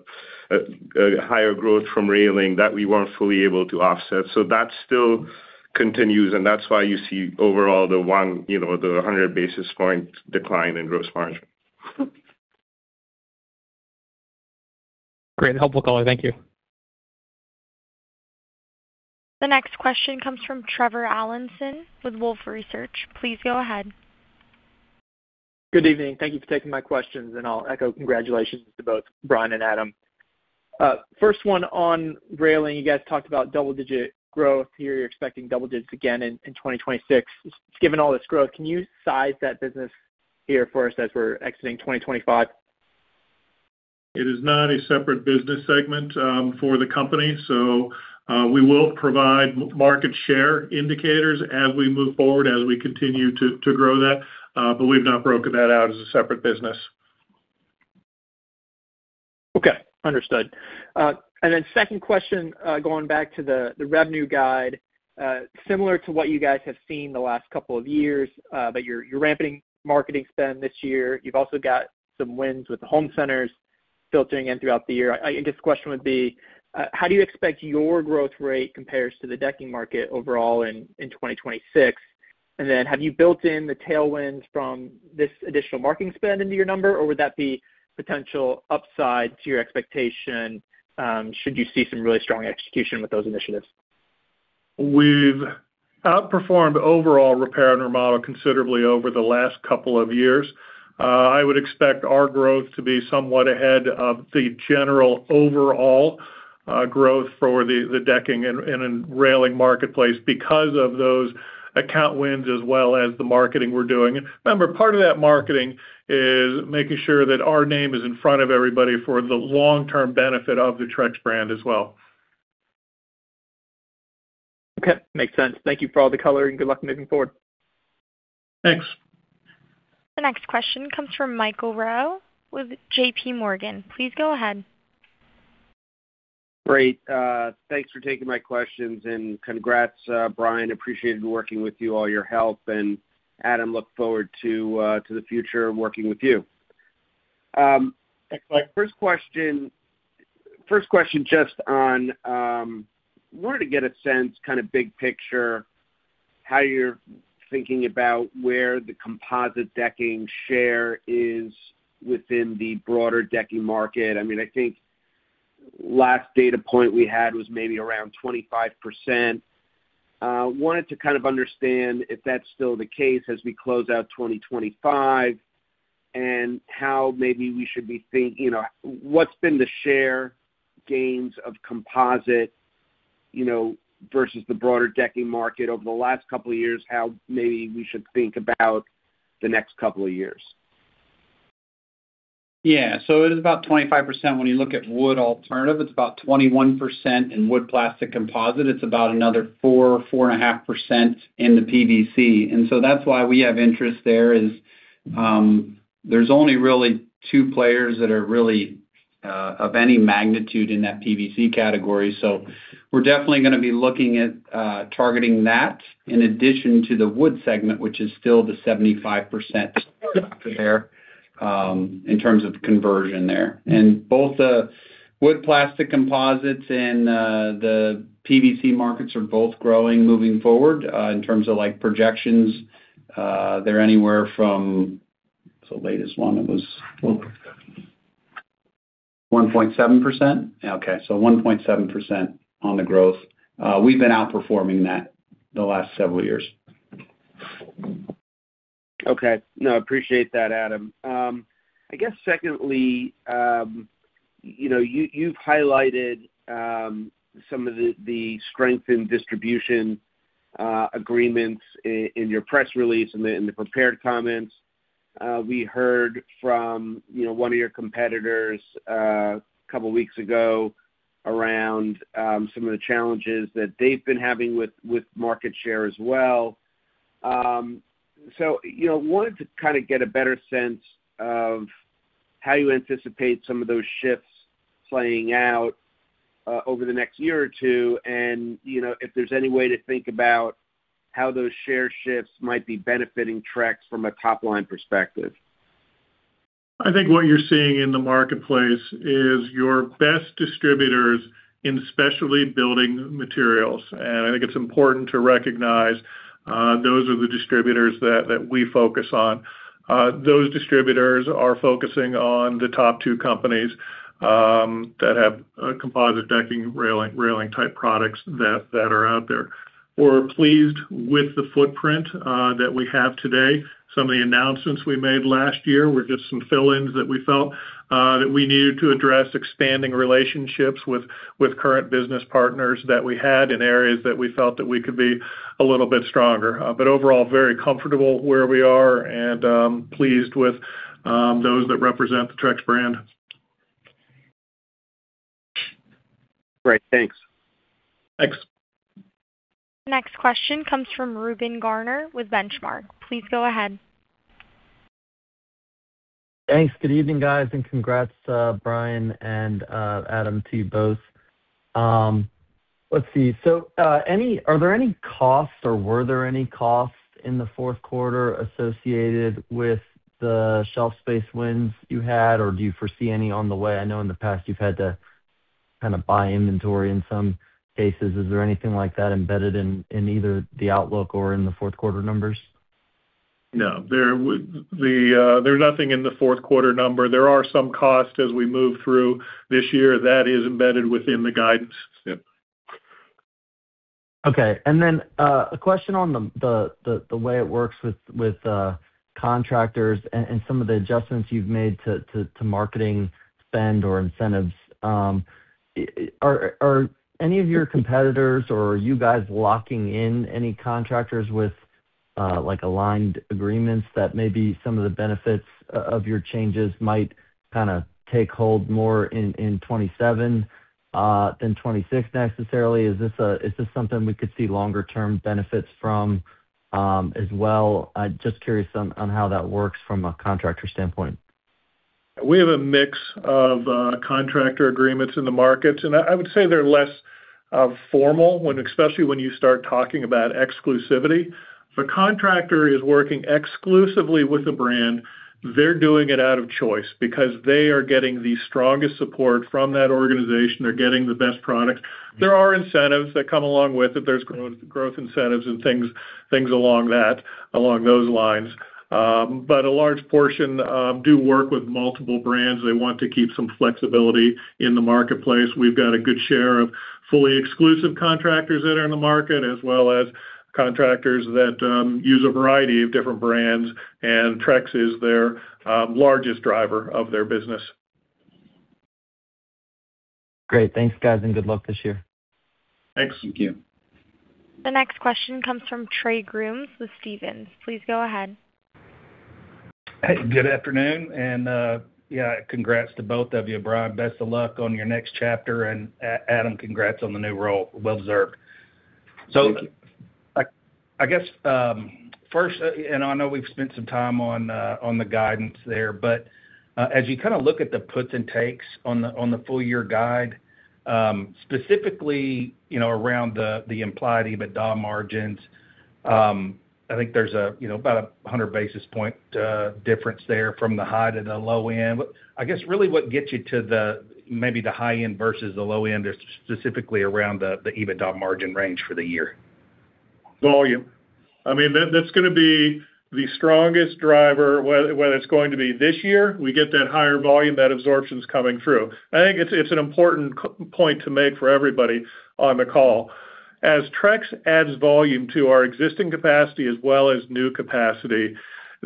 higher growth from railing that we weren't fully able to offset. That still continues, and that's why you see overall you know, the 100 basis point decline in gross margin. Great, helpful color. Thank you. The next question comes from Trevor Allinson with Wolfe Research. Please go ahead. Good evening. Thank you for taking my questions, and I'll echo congratulations to both Bryan and Adam. First one, on railing, you guys talked about double-digit growth here. You're expecting double digits again in 2026. Given all this growth, can you size that business here for us as we're exiting 2025? It is not a separate business segment for the company, so we will provide market share indicators as we move forward, as we continue to grow that, but we've not broken that out as a separate business. Okay, understood. Second question, going back to the revenue guide. Similar to what you guys have seen the last couple of years, you're rampanting marketing spend this year. You've also got some wins with the home centers filtering in throughout the year. This question would be, how do you expect your growth rate compares to the decking market overall in 2026? Then, have you built in the tailwinds from this additional marketing spend into your number, or would that be potential upside to your expectation, should you see some really strong execution with those initiatives? We've outperformed overall repair and remodel considerably over the last couple of years. I would expect our growth to be somewhat ahead of the general overall growth for the decking and railing marketplace because of those account wins, as well as the marketing we're doing. Remember, part of that marketing is making sure that our name is in front of everybody for the long-term benefit of the Trex brand as well. Okay, makes sense. Thank you for all the color, and good luck moving forward. Thanks. The next question comes from Michael Rehaut with JP Morgan. Please go ahead. Great. Thanks for taking my questions, and congrats, Bryan. Appreciated working with you, all your help, and Adam, look forward to the future of working with you. My first question, just on, wanted to get a sense, kind of big picture, how you're thinking about where the composite decking share is within the broader decking market. I mean, I think last data point we had was maybe around 25%. Wanted to kind of understand if that's still the case as we close out 2025, and how maybe we should be, you know, what's been the share gains of composite, you know, versus the broader decking market over the last couple of years? How maybe we should think about the next couple of years? It is about 25%. When you look at wood alternative, it's about 21%. In wood plastic composite, it's about another 4.5% in the PVC. That's why we have interest there is, there's only really two players that are really of any magnitude in that PVC category. We're definitely gonna be looking at targeting that in addition to the wood segment, which is still the 75% there, in terms of the conversion there. Both the wood plastic composites and the PVC markets are both growing, moving forward. In terms of, like, projections, they're anywhere from the latest one, it was 1.7%. Okay, 1.7% on the growth. We've been outperforming that the last several years. Okay. No, I appreciate that, Adam. I guess secondly, you know, you've highlighted some of the strength in distribution agreements in your press release and in the prepared comments. We heard from, you know, one of your competitors a couple weeks ago around some of the challenges that they've been having with market share as well. Wanted to kind of get a better sense of how you anticipate some of those shifts playing out over the next year or 2, and, you know, if there's any way to think about how those share shifts might be benefiting Trex from a top-line perspective. I think what you're seeing in the marketplace is your best distributors in specialty building materials. I think it's important to recognize, those are the distributors that we focus on. Those distributors are focusing on the top two companies that have a composite decking, railing-type products that are out there. We're pleased with the footprint that we have today. Some of the announcements we made last year were just some fill-ins that we felt that we needed to address expanding relationships with current business partners that we had in areas that we felt that we could be a little bit stronger. Overall, very comfortable where we are and pleased with those that represent the Trex brand. Great. Thanks. Thanks. Next question comes from Reuben Garner with Benchmark. Please go ahead. Thanks. Good evening, guys. Congrats to Bryan and Adam to you both. Let's see. Are there any costs or were there any costs in the Q4 associated with the shelf space wins you had, or do you foresee any on the way? I know in the past, you've had to kind of buy inventory in some cases. Is there anything like that embedded in either the outlook or in the Q4 numbers? No, there's nothing in the Q4 number. There are some costs as we move through this year. That is embedded within the guidance. Yeah. Okay. A question on the way it works with contractors and some of the adjustments you've made to marketing spend or incentives. Are any of your competitors or are you guys locking in any contractors with aligned agreements that maybe some of the benefits of your changes might kinda take hold more in 2027 than 2026 necessarily? Is this something we could see longer-term benefits from as well? I'm just curious on how that works from a contractor standpoint. We have a mix of contractor agreements in the markets. I would say they're less formal, especially when you start talking about exclusivity. If a contractor is working exclusively with a brand, they're doing it out of choice because they are getting the strongest support from that organization. They're getting the best products. There are incentives that come along with it. There's growth incentives and things along that, along those lines. A large portion do work with multiple brands. They want to keep some flexibility in the marketplace. We've got a good share of fully exclusive contractors that are in the market, as well as contractors that use a variety of different brands, and Trex is their largest driver of their business. Great. Thanks, guys, and good luck this year. Thanks. Thank you. The next question comes from Trey Grooms with Stephens. Please go ahead. Hey, good afternoon, and, yeah, congrats to both of you. Bryan, best of luck on your next chapter, and Adam, congrats on the new role. Well deserved. Thank you. I guess, first, and I know we've spent some time on the guidance there, but as you kind of look at the puts and takes on the, on the full year guide, specifically, you know, around the implied EBITDA margins, I think there's a, you know, about 100 basis points difference there from the high to the low end. I guess, really, what gets you to the, maybe the high end versus the low end is specifically around the EBITDA margin range for the year? Volume. I mean, that's gonna be the strongest driver, whether it's going to be this year, we get that higher volume, that absorption's coming through. I think it's an important point to make for everybody on the call. As Trex adds volume to our existing capacity as well as new capacity,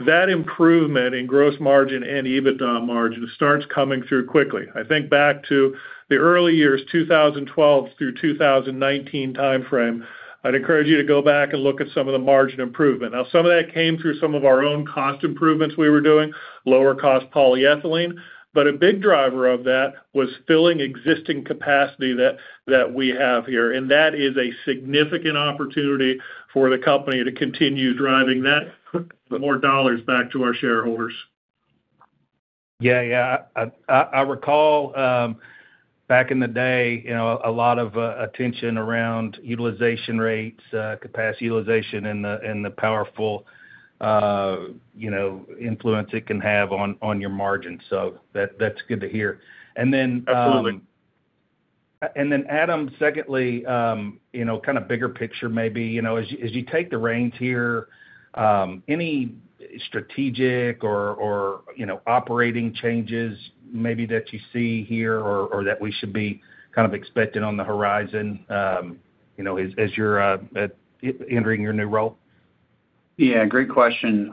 that improvement in gross margin and EBITDA margin starts coming through quickly. I think back to the early years, 2012 through 2019 timeframe, I'd encourage you to go back and look at some of the margin improvement. Now, some of that came through some of our own cost improvements we were doing, lower cost polyethylene, but a big driver of that was filling existing capacity that we have here, and that is a significant opportunity for the company to continue driving that, put more dollars back to our shareholders. Yeah, yeah. I recall, back in the day, you know, a lot of attention around utilization rates, capacity utilization and the, and the powerful, you know, influence it can have on your margins, so that's good to hear. Then Absolutely. Then, Adam, secondly, you know, kind of bigger picture, maybe, you know, as you, as you take the reins here, any strategic or, you know, operating changes maybe that you see here or that we should be kind of expecting on the horizon, you know, as you're entering your new role? Yeah, great question.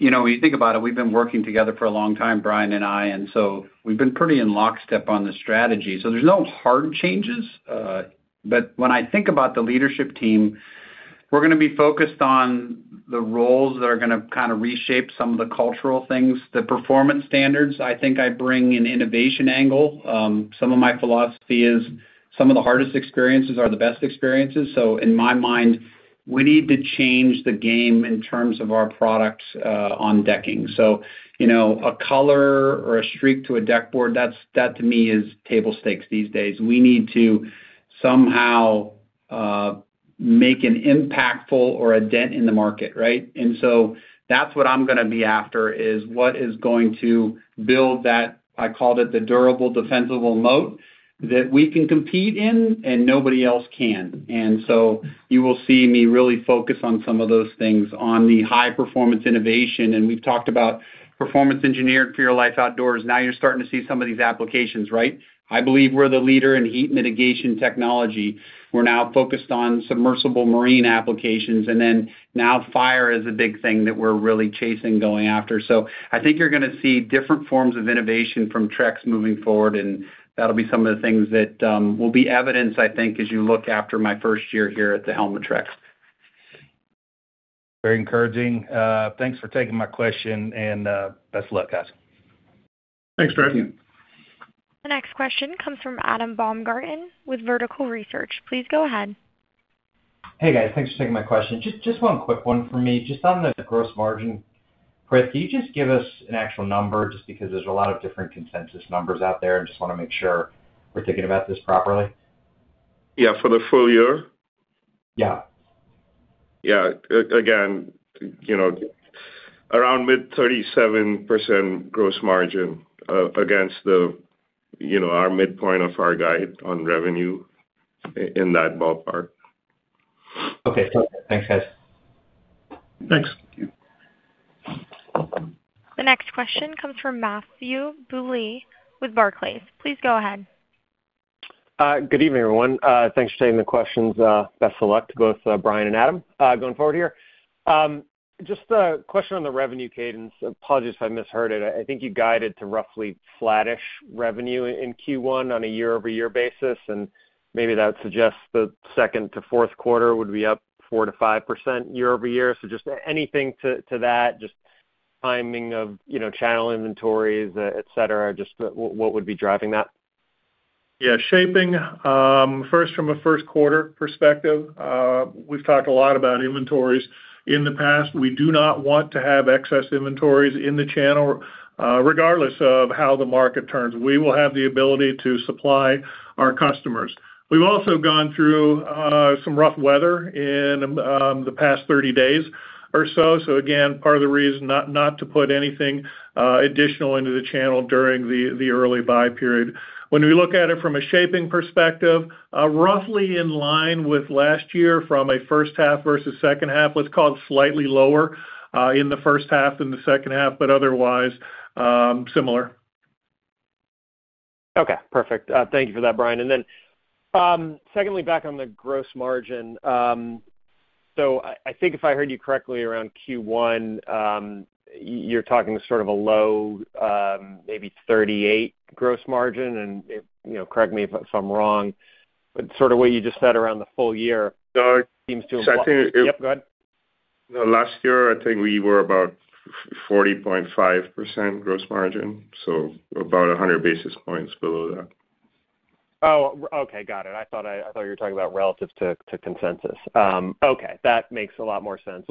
you know, when you think about it, Bryan and I, and so we've been pretty in lockstep on the strategy. There's no hard changes, but when I think about the leadership team, we're gonna be focused on the roles that are gonna kind of reshape some of the cultural things, the performance standards. I think I bring an innovation angle. some of my philosophy is, some of the hardest experiences are the best experiences, so in my mind, we need to change the game in terms of our products on decking. you know, a color or a streak to a deck board, that, to me, is table stakes these days. We need to somehow make an impactful or a dent in the market, right? That's what I'm gonna be after, is what is going to build that, I called it the durable, defensible moat, that we can compete in and nobody else can. You will see me really focus on some of those things, on the high-performance innovation. We've talked about performance engineered for your life outdoors. Now you're starting to see some of these applications, right? I believe we're the leader in heat mitigation technology. We're now focused on submersible marine applications, and then now fire is a big thing that we're really chasing, going after. I think you're gonna see different forms of innovation from Trex moving forward, and that'll be some of the things that will be evidenced, I think, as you look after my first year here at the helm of Trex. Very encouraging. Thanks for taking my question, and best of luck, guys. Thanks, Trey. The next question comes from Adam Baumgarten with Vertical Research. Please go ahead. Hey, guys. Thanks for taking my question. Just one quick one for me. Just on the gross margin, Chris, can you just give us an actual number just because there's a lot of different consensus numbers out there, and just wanna make sure we're thinking about this properly? Yeah, for the full year? Yeah. Yeah. again, you know, around mid 37% gross margin, against the, you know, our midpoint of our guide on revenue in that ballpark. Okay, cool. Thanks, guys. Thanks. Thank you. The next question comes from Matthew Bouley with Barclays. Please go ahead. Good evening, everyone. Thanks for taking the questions. Best of luck to both, Bryan and Adam, going forward here. Just a question on the revenue cadence. Apologies if I misheard it. I think you guided to roughly flattish revenue in Q1 on a year-over-year basis, and maybe that suggests the second to Q4 would be up 4%-5% year-over-year. Just anything to that, just timing of, you know, channel inventories, et cetera, just what would be driving that? Yeah, shaping, 1st from a 1st quarter perspective, we've talked a lot about inventories in the past. We do not want to have excess inventories in the channel, regardless of how the market turns. We will have the ability to supply our customers. We've also gone through some rough weather in the past 30 days or so. Again, part of the reason not to put anything additional into the channel during the early buy period. When we look at it from a shaping perspective, roughly in line with last year from a 1st half versus 2nd half, let's call it slightly lower, in the 1st half and the 2nd half, but otherwise, similar. Okay, perfect. Thank you for that, Bryan. Secondly, back on the gross margin. I think if I heard you correctly around Q1, you're talking sort of a low, maybe 38 gross margin, and, you know, correct me if I'm wrong, but sort of what you just said around the full year... No- Seems to... Yep, go ahead. Last year, I think we were about 40.5% gross margin, so about 100 basis points below that. Okay. Got it. I thought you were talking about relative to consensus. Okay, that makes a lot more sense.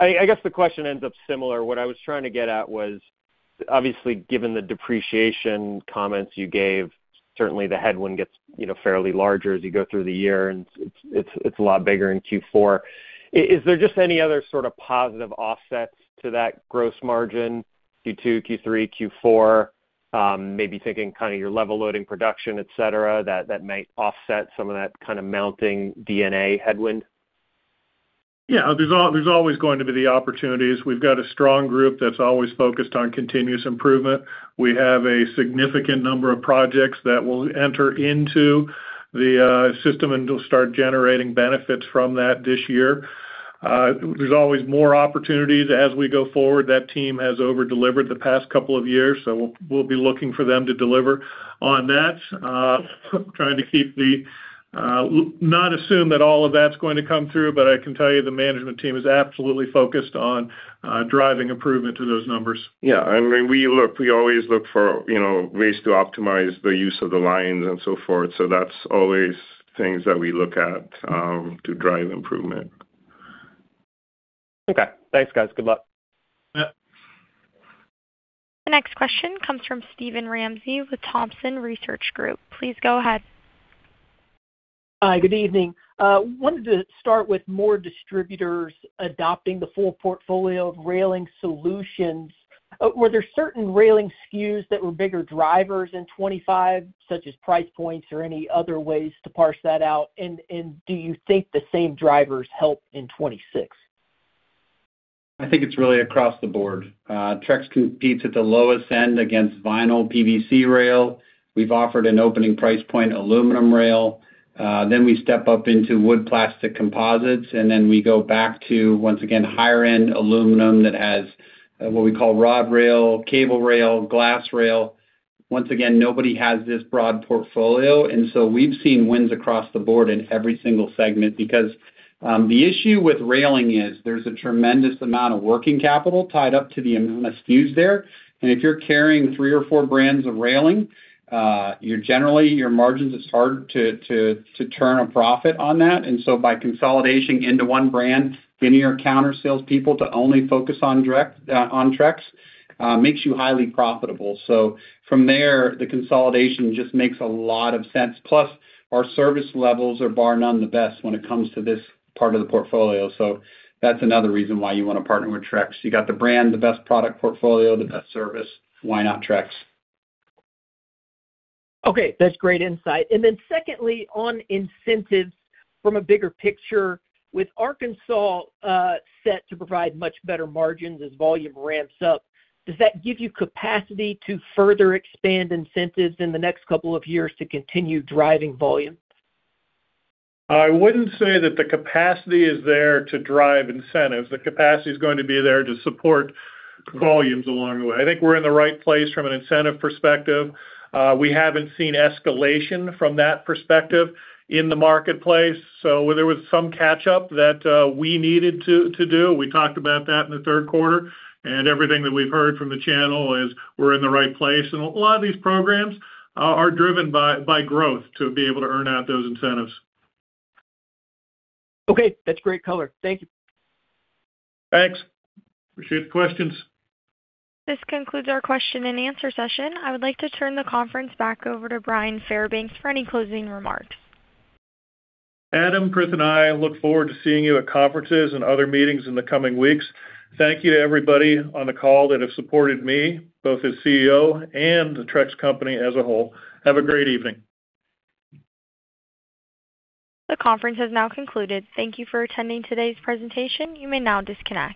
I guess the question ends up similar. What I was trying to get at was, obviously, given the depreciation comments you gave, certainly the headwind gets, you know, fairly larger as you go through the year, and it's a lot bigger in Q4. Is there just any other sort of positive offsets to that gross margin, Q2, Q3, Q4, maybe thinking kind of your level loading production, et cetera, that might offset some of that kind of mounting D&A headwind? Yeah, there's always going to be the opportunities. We've got a strong group that's always focused on continuous improvement. We have a significant number of projects that will enter into the system, and they'll start generating benefits from that this year. There's always more opportunities as we go forward. That team has over-delivered the past couple of years, so we'll be looking for them to deliver on that. Not assume that all of that's going to come through, but I can tell you the management team is absolutely focused on driving improvement to those numbers. I mean, we always look for, you know, ways to optimize the use of the lines and so forth, so that's always things that we look at to drive improvement. Okay. Thanks, guys. Good luck. Yeah. The next question comes from Steven Ramsey with Thompson Research Group. Please go ahead. Hi, good evening. Wanted to start with more distributors adopting the full portfolio of railing solutions. Were there certain railing SKUs that were bigger drivers in 25, such as price points or any other ways to parse that out? Do you think the same drivers help in 26? I think it's really across the board. Trex competes at the lowest end against vinyl PVC rail. We've offered an opening price point aluminum rail, we step up into wood plastic composites, we go back to, once again, higher end aluminum that has what we call rod rail, cable rail, glass rail. Once again, nobody has this broad portfolio, we've seen wins across the board in every single segment. The issue with railing is there's a tremendous amount of working capital tied up to the enormous SKUs there, if you're carrying three or four brands of railing, you're generally, your margins, it's hard to turn a profit on that. By consolidating into one brand, getting your counter salespeople to only focus on direct, on Trex, makes you highly profitable. From there, the consolidation just makes a lot of sense. Plus, our service levels are bar none the best when it comes to this part of the portfolio. That's another reason why you want to partner with Trex. You got the brand, the best product portfolio, the best service. Why not Trex? Okay, that's great insight. Secondly, on incentives from a bigger picture, with Arkansas set to provide much better margins as volume ramps up, does that give you capacity to further expand incentives in the next couple of years to continue driving volume? I wouldn't say that the capacity is there to drive incentives. The capacity is going to be there to support volumes along the way. I think we're in the right place from an incentive perspective. We haven't seen escalation from that perspective in the marketplace, so there was some catch up that we needed to do. We talked about that in the Q3. Everything that we've heard from the channel is we're in the right place. A lot of these programs are driven by growth to be able to earn out those incentives. Okay, that's great color. Thank you. Thanks. Appreciate the questions. This concludes our question and answer session. I would like to turn the conference back over to Bryan Fairbanks for any closing remarks. Adam, Chris, I look forward to seeing you at conferences and other meetings in the coming weeks. Thank you to everybody on the call that have supported me, both as CEO and the Trex Company as a whole. Have a great evening. The conference has now concluded. Thank you for attending today's presentation. You may now disconnect.